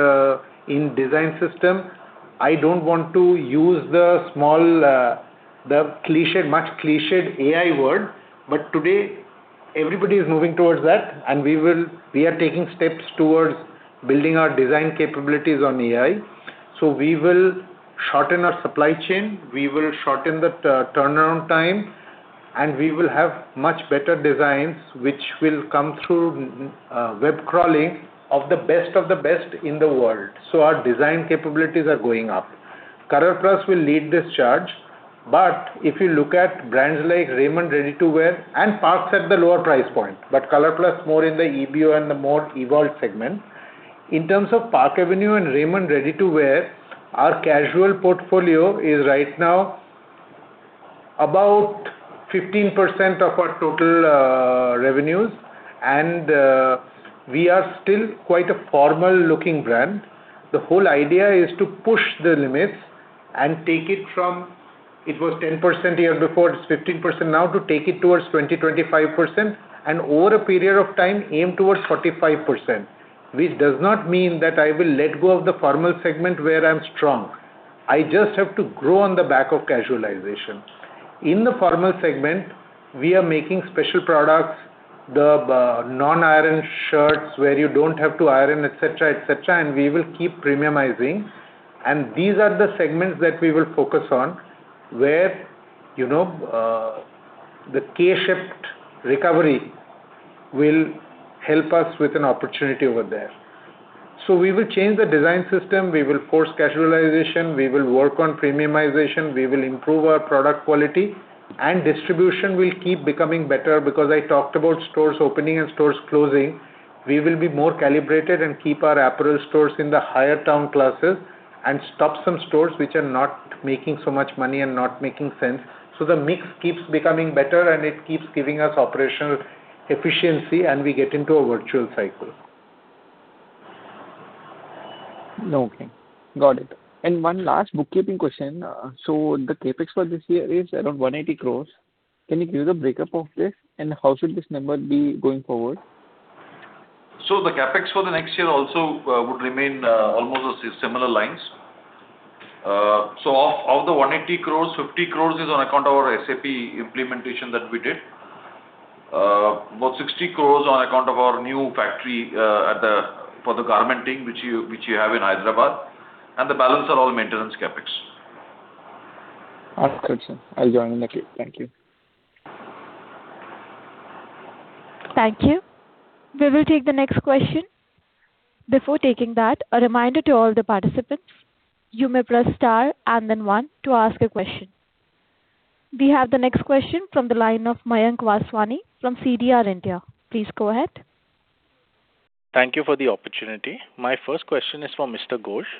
in design system. I don't want to use the small, the cliché, much clichéd AI word, but today everybody is moving towards that, and we are taking steps towards building our design capabilities on AI. We will shorten our supply chain, we will shorten the turnaround time, and we will have much better designs, which will come through web crawling of the best of the best in the world. Our design capabilities are going up. ColorPlus will lead this charge. If you look at brands like Raymond Ready To Wear and Parx at the lower price point, but ColorPlus more in the EBO and the more evolved segment. In terms of Park Avenue and Raymond Ready To Wear, our casual portfolio is right now about 15% of our total revenues, and we are still quite a formal-looking brand. The whole idea is to push the limits and take it from, it was 10% years before, it's 15% now, to take it towards 20%-25%, and over a period of time, aim towards 45%. Does not mean that I will let go of the formal segment where I'm strong. I just have to grow on the back of casualization. In the formal segment, we are making special products, the non-iron shirts where you don't have to iron, et cetera, et cetera, and we will keep premiumizing. These are the segments that we will focus on where, you know, the K-shaped recovery will help us with an opportunity over there. We will change the design system. We will force casualization. We will work on premiumization. We will improve our product quality. Distribution will keep becoming better because I talked about stores opening and stores closing. We will be more calibrated and keep our apparel stores in the higher town classes and stop some stores which are not making so much money and not making sense. The mix keeps becoming better, and it keeps giving us operational efficiency, and we get into a virtual cycle. Okay. Got it. One last bookkeeping question. The CapEx for this year is around 180 crores. Can you give the breakup of this, and how should this number be going forward? The CapEx for the next year also would remain almost the similar lines. Of the 180 crore, 50 crore is on account of our SAP implementation that we did. About 60 crore on account of our new factory for the garmenting, which you have in Hyderabad. The balance are all maintenance CapEx. Understood, sir. I'll join the queue. Thank you. Thank you. We will take the next question. Before taking that, a reminder to all the participants, you may press star and then one to ask a question. We have the next question from the line of Mayank Vaswani from CDR India. Please go ahead. Thank you for the opportunity. My first question is for Mr. Ghosh.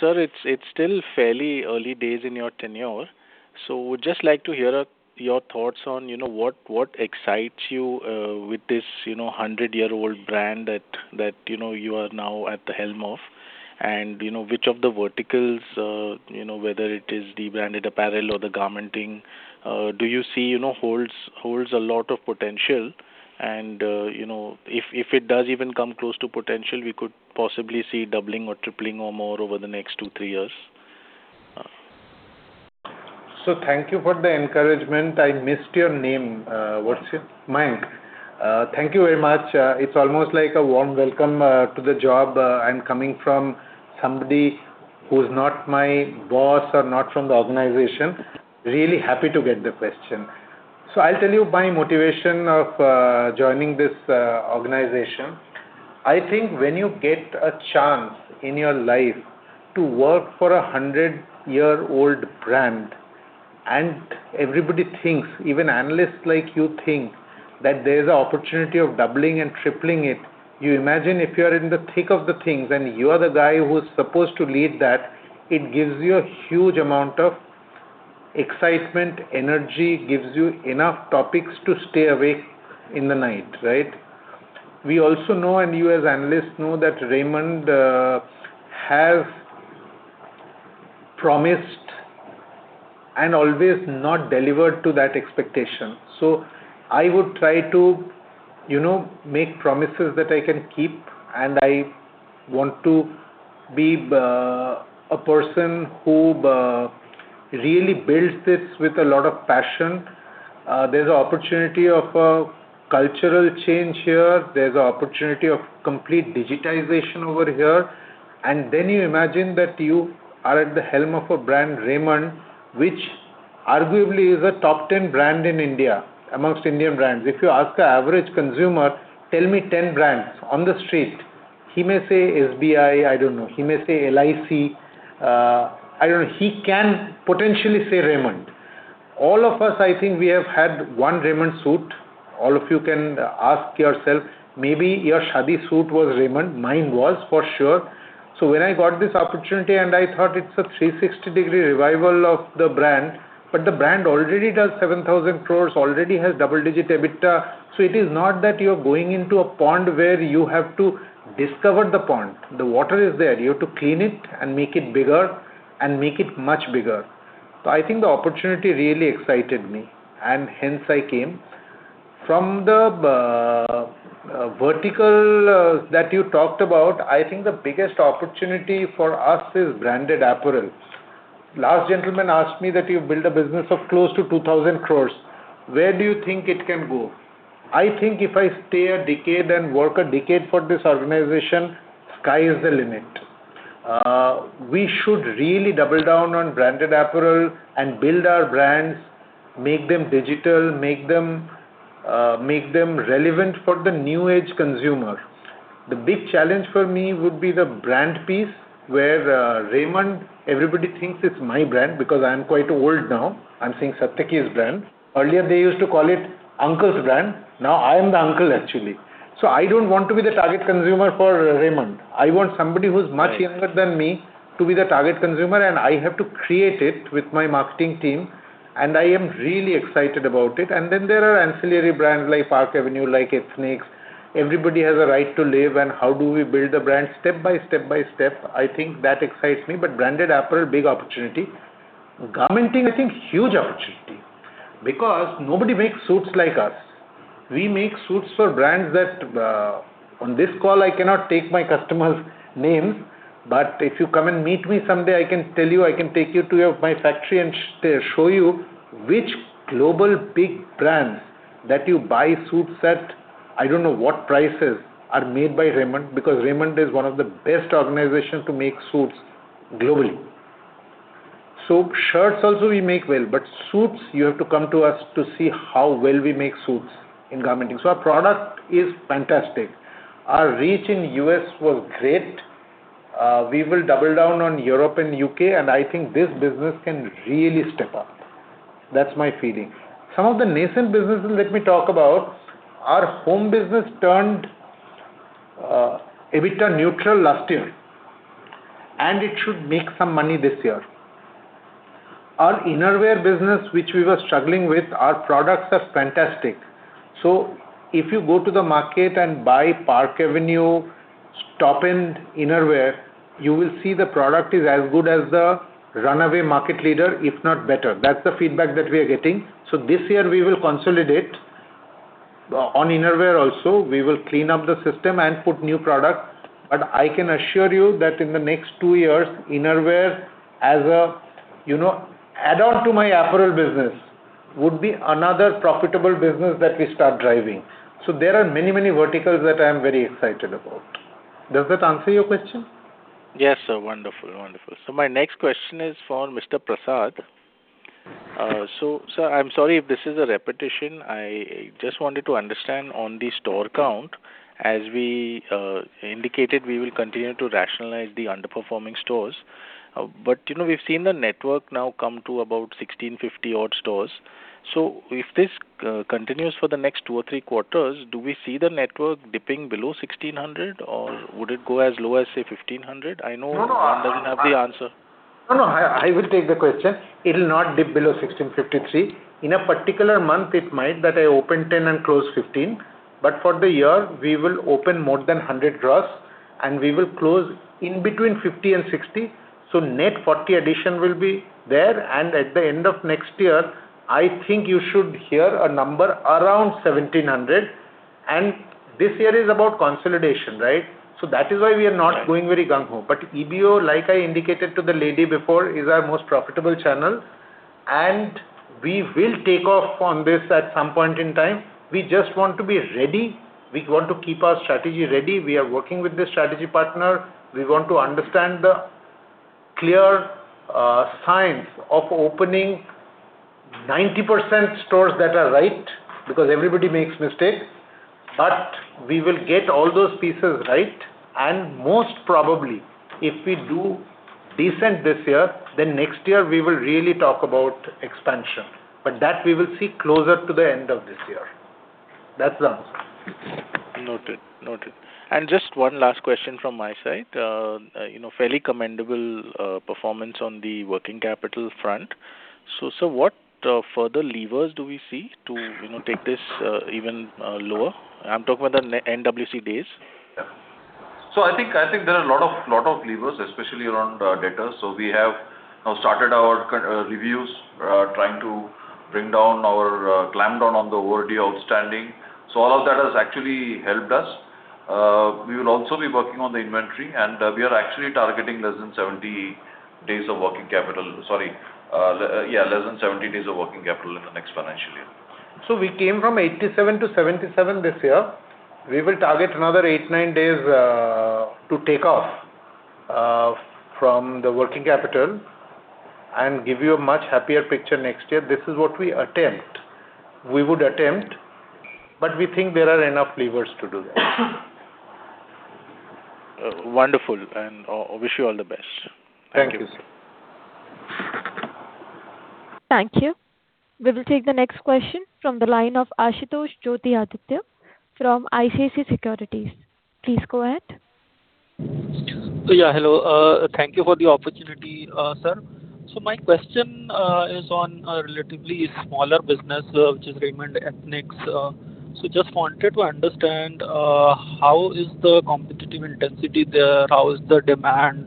Sir, it's still fairly early days in your tenure, so would just like to hear your thoughts on, you know, what excites you with this, you know, 100-year-old brand that you are now at the helm of. You know, which of the verticals, you know, whether it is the branded apparel or the garmenting, do you see, you know, holds a lot of potential and, you know, if it does even come close to potential, we could possibly see doubling or tripling or more over the next two, three years? Thank you for the encouragement. I missed your name. What's it? Mayank. Thank you very much. It's almost like a warm welcome to the job, I'm coming from somebody who is not my boss or not from the organization. Really happy to get the question. I'll tell you my motivation of joining this organization. I think when you get a chance in your life to work for a 100-year-old brand and everybody thinks, even analysts like you think, that there's a opportunity of doubling and tripling it. You imagine if you're in the thick of the things and you are the guy who's supposed to lead that, it gives you a huge amount of excitement, energy, gives you enough topics to stay awake in the night, right? We also know, and you as analysts know, that Raymond have promised and always not delivered to that expectation. I would try to, you know, make promises that I can keep, and I want to be a person who really builds this with a lot of passion. There's a opportunity of a cultural change here. There's a opportunity of complete digitization over here. Then you imagine that you are at the helm of a brand, Raymond, which arguably is a top 10 brand in India amongst Indian brands. If you ask an average consumer, tell me 10 brands, on the street, he may say SBI. I don't know. He may say LIC. I don't know. He can potentially say Raymond. All of us, I think we have had one Raymond suit. All of you can ask yourself, maybe your shadi suit was Raymond. Mine was, for sure. When I got this opportunity and I thought it's a 360-degree revival of the brand, but the brand already does 7,000 crore, already has double-digit EBITDA. It is not that you're going into a pond where you have to discover the pond. The water is there. You have to clean it and make it bigger, and make it much bigger. I think the opportunity really excited me, and hence I came. From the vertical that you talked about, I think the biggest opportunity for us is branded apparel. Last gentleman asked me that you build a business of close to 2,000 crore. Where do you think it can go? I think if I stay a decade and work a decade for this organization, sky is the limit. We should really double down on branded apparel and build our brands, make them digital, make them, make them relevant for the new age consumer. The big challenge for me would be the brand piece where, Raymond, everybody thinks it's my brand because I'm quite old now. I'm saying Satyaki's brand. Earlier, they used to call it uncle's brand. Now I am the uncle actually. I don't want to be the target consumer for Raymond. I want somebody who's much younger than me to be the target consumer, and I have to create it with my marketing team, and I am really excited about it. There are ancillary brands like Park Avenue, like Ethnix. Everybody has a right to live, and how do we build the brand step by step by step? I think that excites me, but branded apparel, big opportunity. Garmenting, I think huge opportunity because nobody makes suits like us. We make suits for brands that on this call I cannot take my customers' names, but if you come and meet me someday, I can tell you. I can take you to my factory and show you which global big brands that you buy suits at, I don't know what prices, are made by Raymond, because Raymond is one of the best organizations to make suits globally. Shirts also we make well, but suits, you have to come to us to see how well we make suits in garmenting. Our product is fantastic. Our reach in U.S. was great. We will double down on Europe and U.K., I think this business can really step up. That's my feeling. Some of the nascent businesses, let me talk about. Our home business turned EBITDA neutral last year, and it should make some money this year. Our innerwear business, which we were struggling with, our products are fantastic. If you go to the market and buy Park Avenue top-end innerwear, you will see the product is as good as the runaway market leader, if not better. That's the feedback that we are getting. This year we will consolidate on innerwear also. We will clean up the system and put new product. I can assure you that in the next two years, innerwear as a, you know, add on to my apparel business would be another profitable business that we start driving. There are many, many verticals that I'm very excited about. Does that answer your question? Yes, sir. Wonderful. Wonderful. My next question is for Mr. Prasad. Sir, I'm sorry if this is a repetition. I just wanted to understand on the store count, as we indicated, we will continue to rationalize the underperforming stores. But you know, we've seen the network now come to about 1,650 odd stores. If this continues for the next two or three quarters, do we see the network dipping below 1,600, or would it go as low as, say, 1,500? No, no. One doesn't have the answer. No, I will take the question. It'll not dip below 1,653. In a particular month it might that I open 10 and close 15, but for the year we will open more than 100 draws and we will close in between 50 and 60. Net 40 addition will be there, and at the end of next year, I think you should hear a number around 1,700. This year is about consolidation, right? That is why we are not going very gung ho. EBO, like I indicated to the lady before, is our most profitable channel. We will take off on this at some point in time. We just want to be ready. We want to keep our strategy ready. We are working with the strategy partner. We want to understand the clear signs of opening 90% stores that are right, because everybody makes mistakes. We will get all those pieces right, and most probably, if we do decent this year, then next year we will really talk about expansion. That we will see closer to the end of this year. That's the answer. Noted. Noted. Just one last question from my side. You know, fairly commendable performance on the working capital front. Sir, what further levers do we see to, you know, take this even lower? I'm talking about the NWC days. Yeah. I think there are a lot of levers, especially around data. We have now started our co reviews, trying to bring down our clamp down on the overdue outstanding. All of that has actually helped us. We will also be working on the inventory, and we are actually targeting less than 70 days of working capital. Sorry, yeah, less than 70 days of working capital in the next financial year. We came from 87 to 77 this year. We will target another eight, nine days to take off from the working capital and give you a much happier picture next year. This is what we attempt. We would attempt, we think there are enough levers to do that. Wonderful, and wish you all the best. Thank you, sir. Thank you. We will take the next question from the line of Ashutosh Joytiraditya from ICICI Securities. Please go ahead. Yeah, hello. Thank you for the opportunity, sir. My question is on a relatively smaller business, which is Raymond Ethnix. Just wanted to understand how is the competitive intensity there? How is the demand?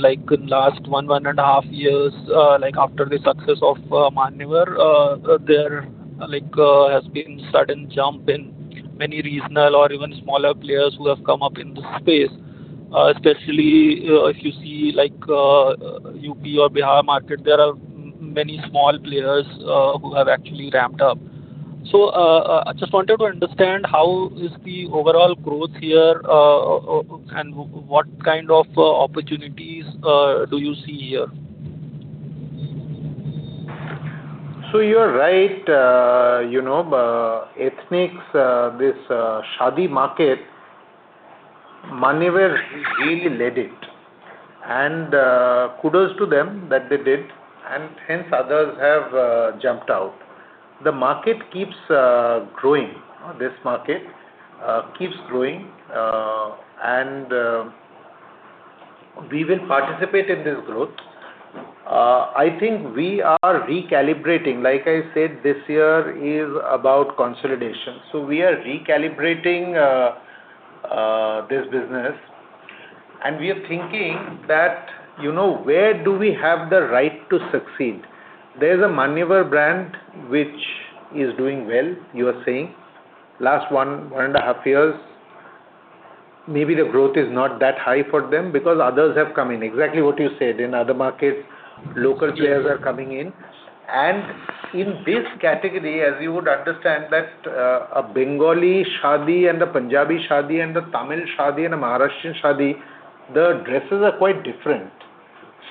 Like last one and a half years, like after the success of Manyavar, there, like, has been sudden jump in many regional or even smaller players who have come up in this space. Especially, if you see like UP or Bihar market, there are many small players who have actually ramped up. I just wanted to understand how is the overall growth here, and what kind of opportunities do you see here? You're right. You know, Ethnix, this Shadi market, Manyavar really led it. Kudos to them that they did, and hence others have jumped out. The market keeps growing. This market keeps growing, and we will participate in this growth. I think we are recalibrating. Like I said, this year is about consolidation, we are recalibrating this business. We are thinking that, you know, where do we have the right to succeed? There's a Manyavar brand which is doing well, you are saying. Last one, one and a half years, maybe the growth is not that high for them because others have come in. Exactly what you said. In other markets, local players are coming in. In this category, as you would understand, that, a Bengali Shadi and a Punjabi Shadi and a Tamil Shadi and a Maharashtrian Shadi, the dresses are quite different.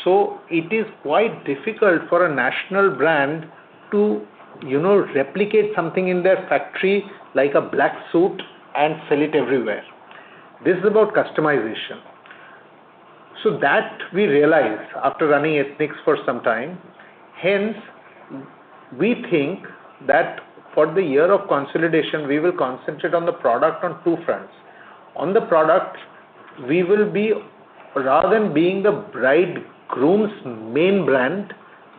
It is quite difficult for a national brand to, you know, replicate something in their factory like a black suit and sell it everywhere. This is about customization. That we realized after running Ethnix for some time. We think that for the year of consolidation, we will concentrate on the product on two fronts. On the product, we will be, rather than being the bridegroom's main brand,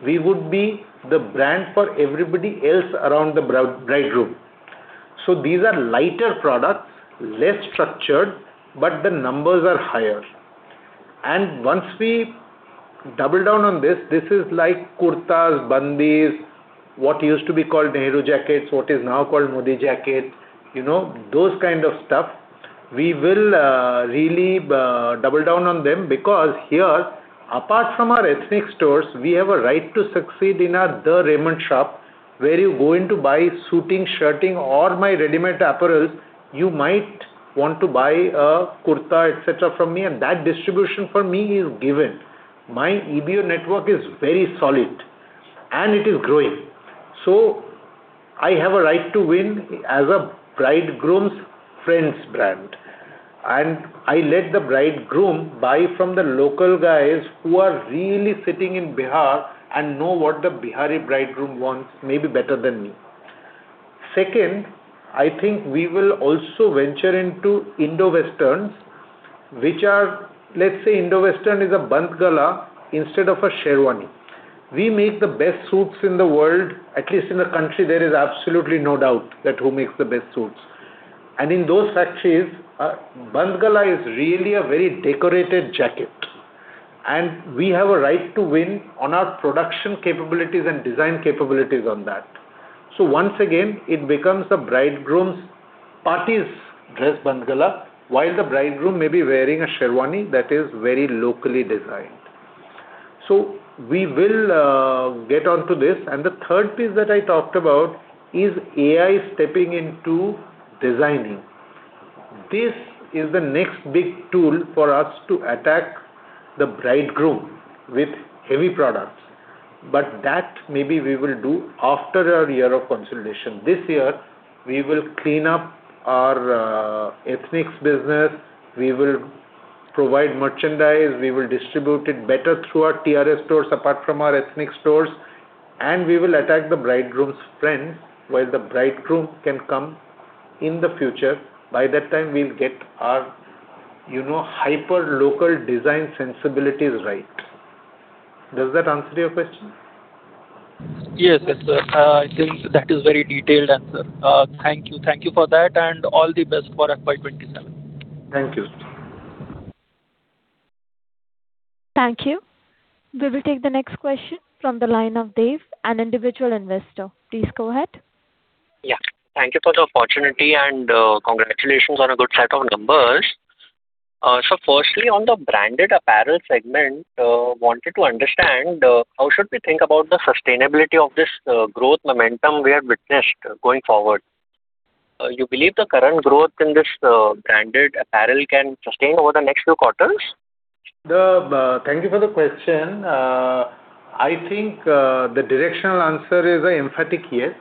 we would be the brand for everybody else around the bridegroom. These are lighter products, less structured, but the numbers are higher. Once we double down on this is like kurtas, bandis, what used to be called Nehru jackets, what is now called Modi jackets, you know, those kind of stuff. We will really double down on them because here, apart from our ethnic stores, we have a right to succeed in our The Raymond Shop, where you go in to buy suiting, shirting or my readymade apparel, you might want to buy a kurta, et cetera, from me, and that distribution for me is given. My EBO network is very solid, and it is growing. I have a right to win as a bridegroom's friend's brand. I let the bridegroom buy from the local guys who are really sitting in Bihar and know what the Bihari bridegroom wants, maybe better than me. Second, we will also venture into Indo-Westerns, which are, let's say Indo-Western is a bandhgala instead of a sherwani. We make the best suits in the world, at least in the country there is absolutely no doubt that who makes the best suits. In those factories, a bandhgala is really a very decorated jacket, and we have a right to win on our production capabilities and design capabilities on that. Once again, it becomes the bridegroom's party's dress Bandhgala, while the bridegroom may be wearing a sherwani that is very locally designed. We will get onto this. The third piece that I talked about is AI stepping into designing. This is the next big tool for us to attack the bridegroom with heavy products. That maybe we will do after our year of consolidation. This year, we will clean up our Ethnix business. We will provide merchandise. We will distribute it better through our The Raymond Shop stores apart from our Ethnix stores, and we will attack the bridegroom's friends while the bridegroom can come in the future. By that time, we'll get our, you know, hyper-local design sensibilities right. Does that answer your question? Yes, sir. I think that is very detailed answer. Thank you. Thank you for that. All the best for FY 2027. Thank you. Thank you. We will take the next question from the line of Dev, an individual investor. Please go ahead. Yeah. Thank you for the opportunity and congratulations on a good set of numbers. Firstly, on the branded apparel segment, wanted to understand how should we think about the sustainability of this growth momentum we have witnessed going forward? You believe the current growth in this branded apparel can sustain over the next few quarters? Thank you for the question. I think the directional answer is a emphatic yes.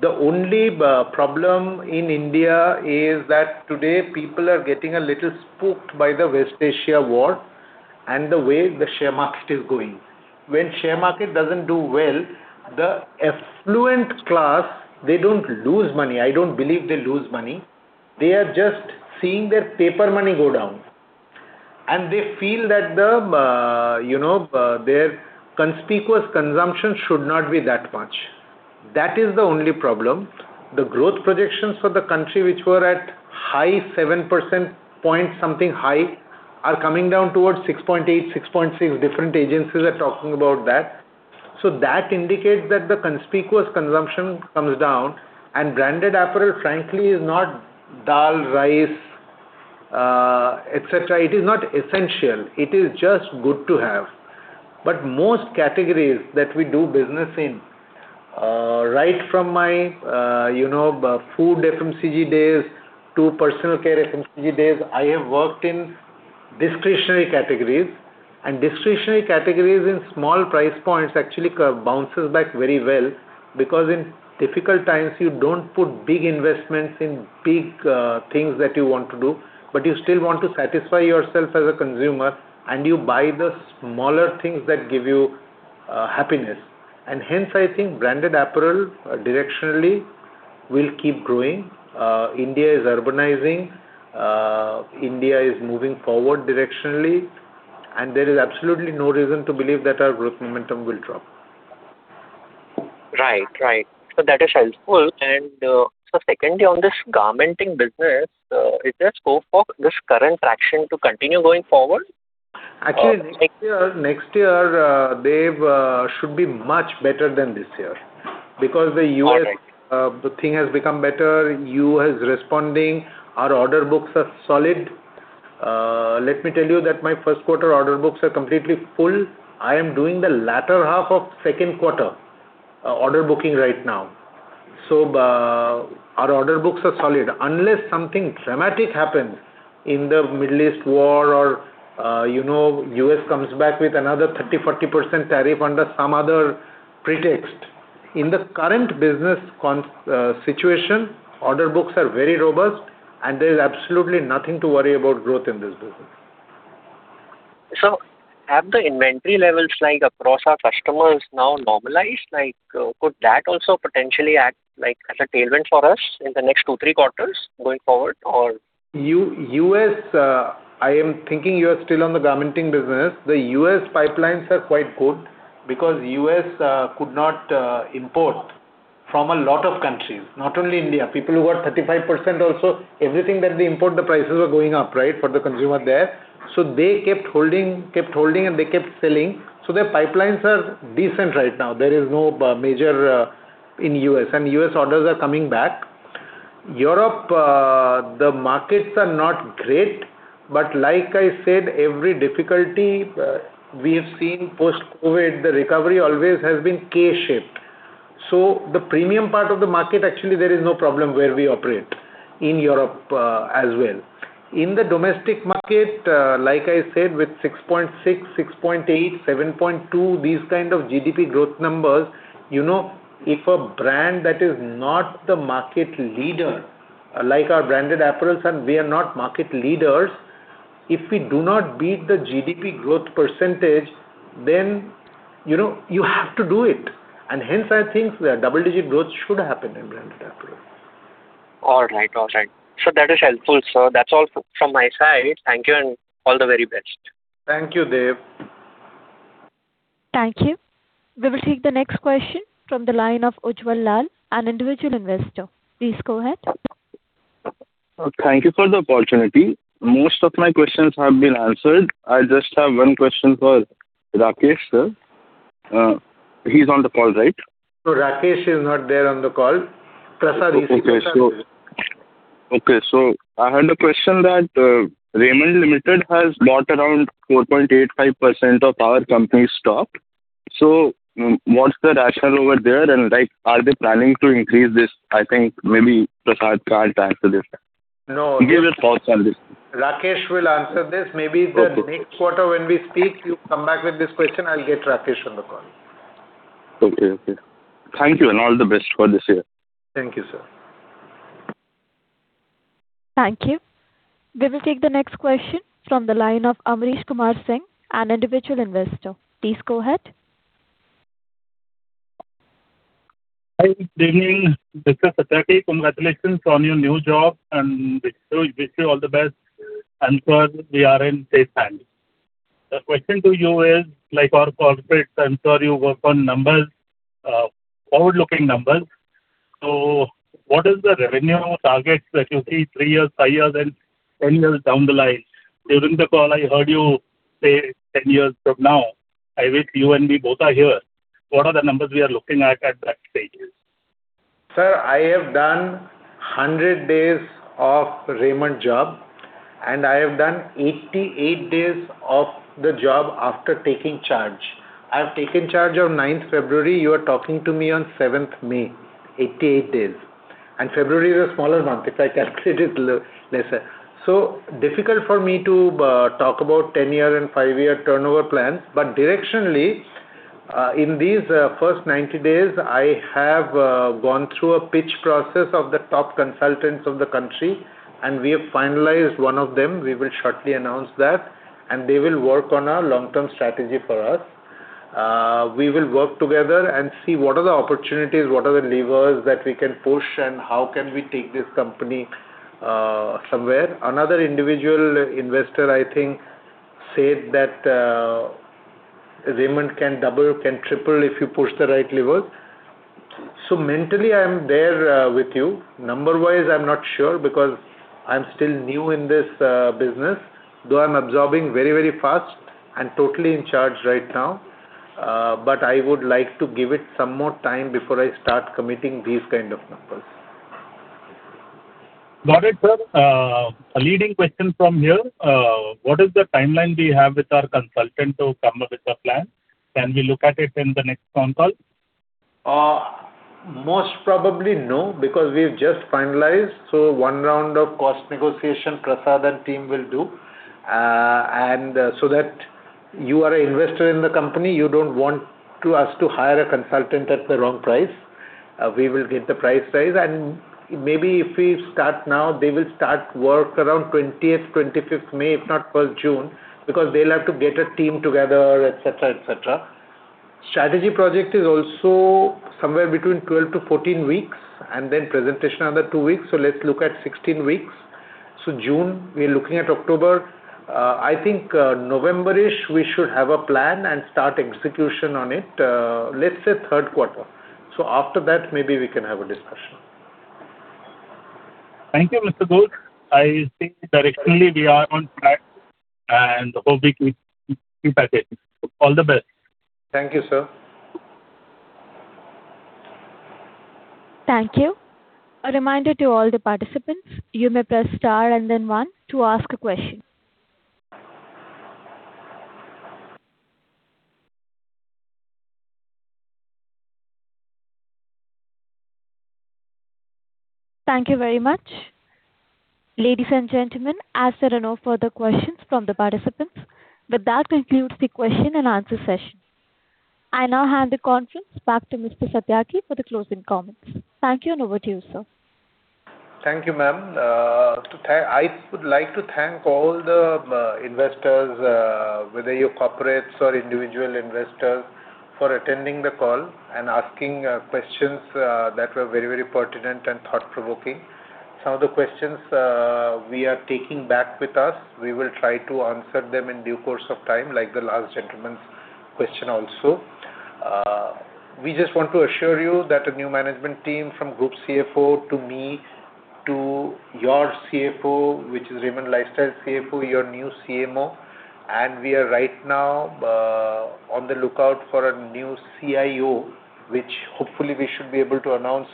The only problem in India is that today people are getting a little spooked by the West Asia war and the way the share market is going. When share market doesn't do well, the affluent class, they don't lose money. I don't believe they lose money. They are just seeing their paper money go down, and they feel that the, you know, their conspicuous consumption should not be that much. That is the only problem. The growth projections for the country which were at high 7% point something high are coming down towards 6.8%, 6.6%. Different agencies are talking about that. That indicates that the conspicuous consumption comes down and branded apparel, frankly, is not dal, rice, et cetera. It is not essential. It is just good to have. Most categories that we do business in, right from my, you know, food FMCG days to personal care FMCG days, I have worked in discretionary categories. Discretionary categories in small price points actually bounces back very well because in difficult times you don't put big investments in big things that you want to do, but you still want to satisfy yourself as a consumer, and you buy the smaller things that give you happiness. Hence, I think branded apparel directionally will keep growing. India is urbanizing. India is moving forward directionally, and there is absolutely no reason to believe that our growth momentum will drop. Right. Right. That is helpful. Secondly, on this garmenting business, is there scope for this current traction to continue going forward? Actually, next year, Dev, should be much better than this year because the U.S. All right. The thing has become better. U.S. responding. Our order books are solid. Let me tell you that my first quarter order books are completely full. I am doing the latter half of second quarter order booking right now. Our order books are solid. Unless something dramatic happens in the Middle East war or, you know, U.S. comes back with another 30%, 40% tariff under some other pretext. In the current business situation, order books are very robust, and there is absolutely nothing to worry about growth in this business. Have the inventory levels like across our customers now normalized? Like, could that also potentially act like as a tailwind for us in the next two, three quarters going forward? U.S., I am thinking you are still on the garmenting business. The U.S. pipelines are quite good because U.S. could not import from a lot of countries, not only India. People who got 35% also. Everything that they import, the prices were going up, right? For the consumer there. They kept holding, kept holding, and they kept selling. Their pipelines are decent right now. There is no major in U.S., and U.S. orders are coming back. Europe, the markets are not great, but like I said, every difficulty we have seen post-COVID, the recovery always has been K-shaped. The premium part of the market, actually, there is no problem where we operate in Europe as well. In the domestic market, like I said, with 6.6, 6.8, 7.2, these kind of GDP growth numbers, you know, if a brand that is not the market leader, like our branded apparels, and we are not market leaders, if we do not beat the GDP growth percentage, then, you know, you have to do it. Hence, I think the double-digit growth should happen in branded apparel. All right. All right. That is helpful, sir. That's all from my side. Thank you, and all the very best. Thank you, Dev. Thank you. We will take the next question from the line of Ujjwal Lal, an individual investor. Please go ahead. Thank you for the opportunity. Most of my questions have been answered. I just have one question for Rakesh Tiwary, sir. He's on the call, right? No, Rakesh is not there on the call. Prasad is here. Okay, so I had a question that Raymond Limited has bought around 4.85% of our company's stock. What's the rationale over there and, like, are they planning to increase this? I think maybe Prasad can't answer this. No. Give your thoughts on this. Rakesh will answer this. Maybe the next quarter when we speak, you come back with this question, I'll get Rakesh on the call. Okay, okay. Thank you and all the best for this year. Thank you, sir. Thank you. We will take the next question from the line of Amrish Kumar Singh, an individual investor. Please go ahead. Hi. Good evening, Mr. Satyaki. Congratulations on your new job and wish you all the best. I'm sure we are in safe hands. The question to you is, like our corporates, I'm sure you work on numbers, forward-looking numbers. What is the revenue targets that you see three years, five years and 10 years down the line? During the call, I heard you say 10 years from now. I wish you and me both are here. What are the numbers we are looking at that stages? Sir, I have done 100 days of Raymond job. I have done 88 days of the job after taking charge. I have taken charge on 9th February. You are talking to me on 7th May, 88 days. February is a smaller month, if I calculate it lesser. Difficult for me to talk about 10-year and five-year turnover plans. Directionally, in these first 90 days, I have gone through a pitch process of the top consultants of the country. We have finalized one of them. We will shortly announce that. They will work on a long-term strategy for us. We will work together and see what are the opportunities, what are the levers that we can push, how can we take this company somewhere. Another individual investor, I think, said that Raymond can double, can triple if you push the right levers. Mentally I'm there, with you. Number-wise, I'm not sure because I'm still new in this business, though I'm absorbing very, very fast and totally in charge right now. I would like to give it some more time before I start committing these kind of numbers. Got it, sir. A leading question from here. What is the timeline we have with our consultant to come up with a plan? Can we look at it in the next con call? Most probably no, because we've just finalized, so one round of cost negotiation Prasad and team will do. That you are a investor in the company, you don't want to us to hire a consultant at the wrong price. We will get the price right. Maybe if we start now, they will start work around 20th, 25th May, if not 1st June, because they'll have to get a team together, et cetera, et cetera. Strategy project is also somewhere between 12 to 14 weeks, and then presentation another two weeks. Let's look at 16 weeks. June, we are looking at October. I think, November-ish, we should have a plan and start execution on it. Let's say third quarter. After that, maybe we can have a discussion. Thank you, Mr. Ghosh. I think directionally we are on track, and hopefully we keep at it. All the best. Thank you, sir. Thank you. A reminder to all the participants, you may press star and then one to ask a question. Thank you very much. Ladies and gentlemen, as there are no further questions from the participants, with that concludes the question and answer session. I now hand the conference back to Mr. Satyaki for the closing comments. Thank you and over to you, sir. Thank you, ma'am. I would like to thank all the investors, whether you're corporates or individual investors, for attending the call and asking questions that were very, very pertinent and thought-provoking. Some of the questions we are taking back with us. We will try to answer them in due course of time, like the last gentleman's question also. We just want to assure you that a new management team from Group CFO to me to your CFO, which is Raymond Lifestyle CFO, your new CMO, and we are right now on the lookout for a new CIO, which hopefully we should be able to announce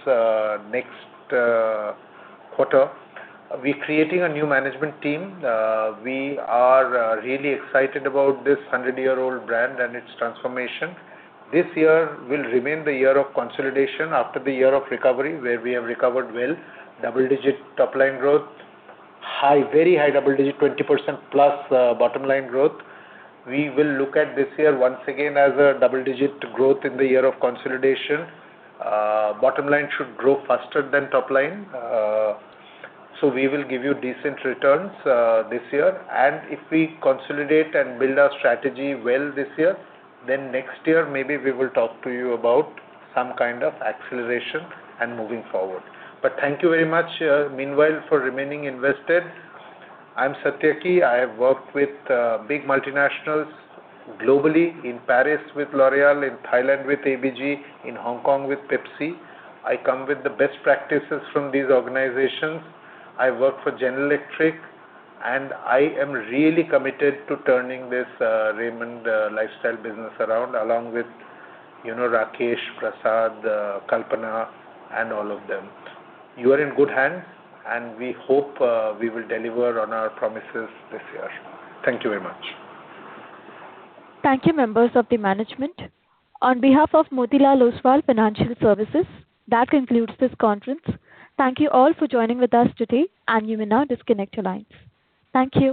next quarter. We're creating a new management team. We are really excited about this hundred-year-old brand and its transformation. This year will remain the year of consolidation after the year of recovery, where we have recovered well, double-digit top-line growth, high, very high double digit, 20% plus bottom-line growth. We will look at this year once again as a double-digit growth in the year of consolidation. Bottom line should grow faster than top line. We will give you decent returns this year. If we consolidate and build our strategy well this year, then next year maybe we will talk to you about some kind of acceleration and moving forward. Thank you very much, meanwhile for remaining invested. I'm Satyaki. I have worked with big multinationals globally in Paris with L'Oréal, in Thailand with ABG, in Hong Kong with Pepsi. I come with the best practices from these organizations. I worked for General Electric, and I am really committed to turning this Raymond Lifestyle business around along with, you know, Rakesh, Prasad, Kalpana and all of them. You are in good hands, and we hope we will deliver on our promises this year. Thank you very much. Thank you, members of the management. On behalf of Motilal Oswal Financial Services, that concludes this conference. Thank you all for joining with us today, and you may now disconnect your lines. Thank you.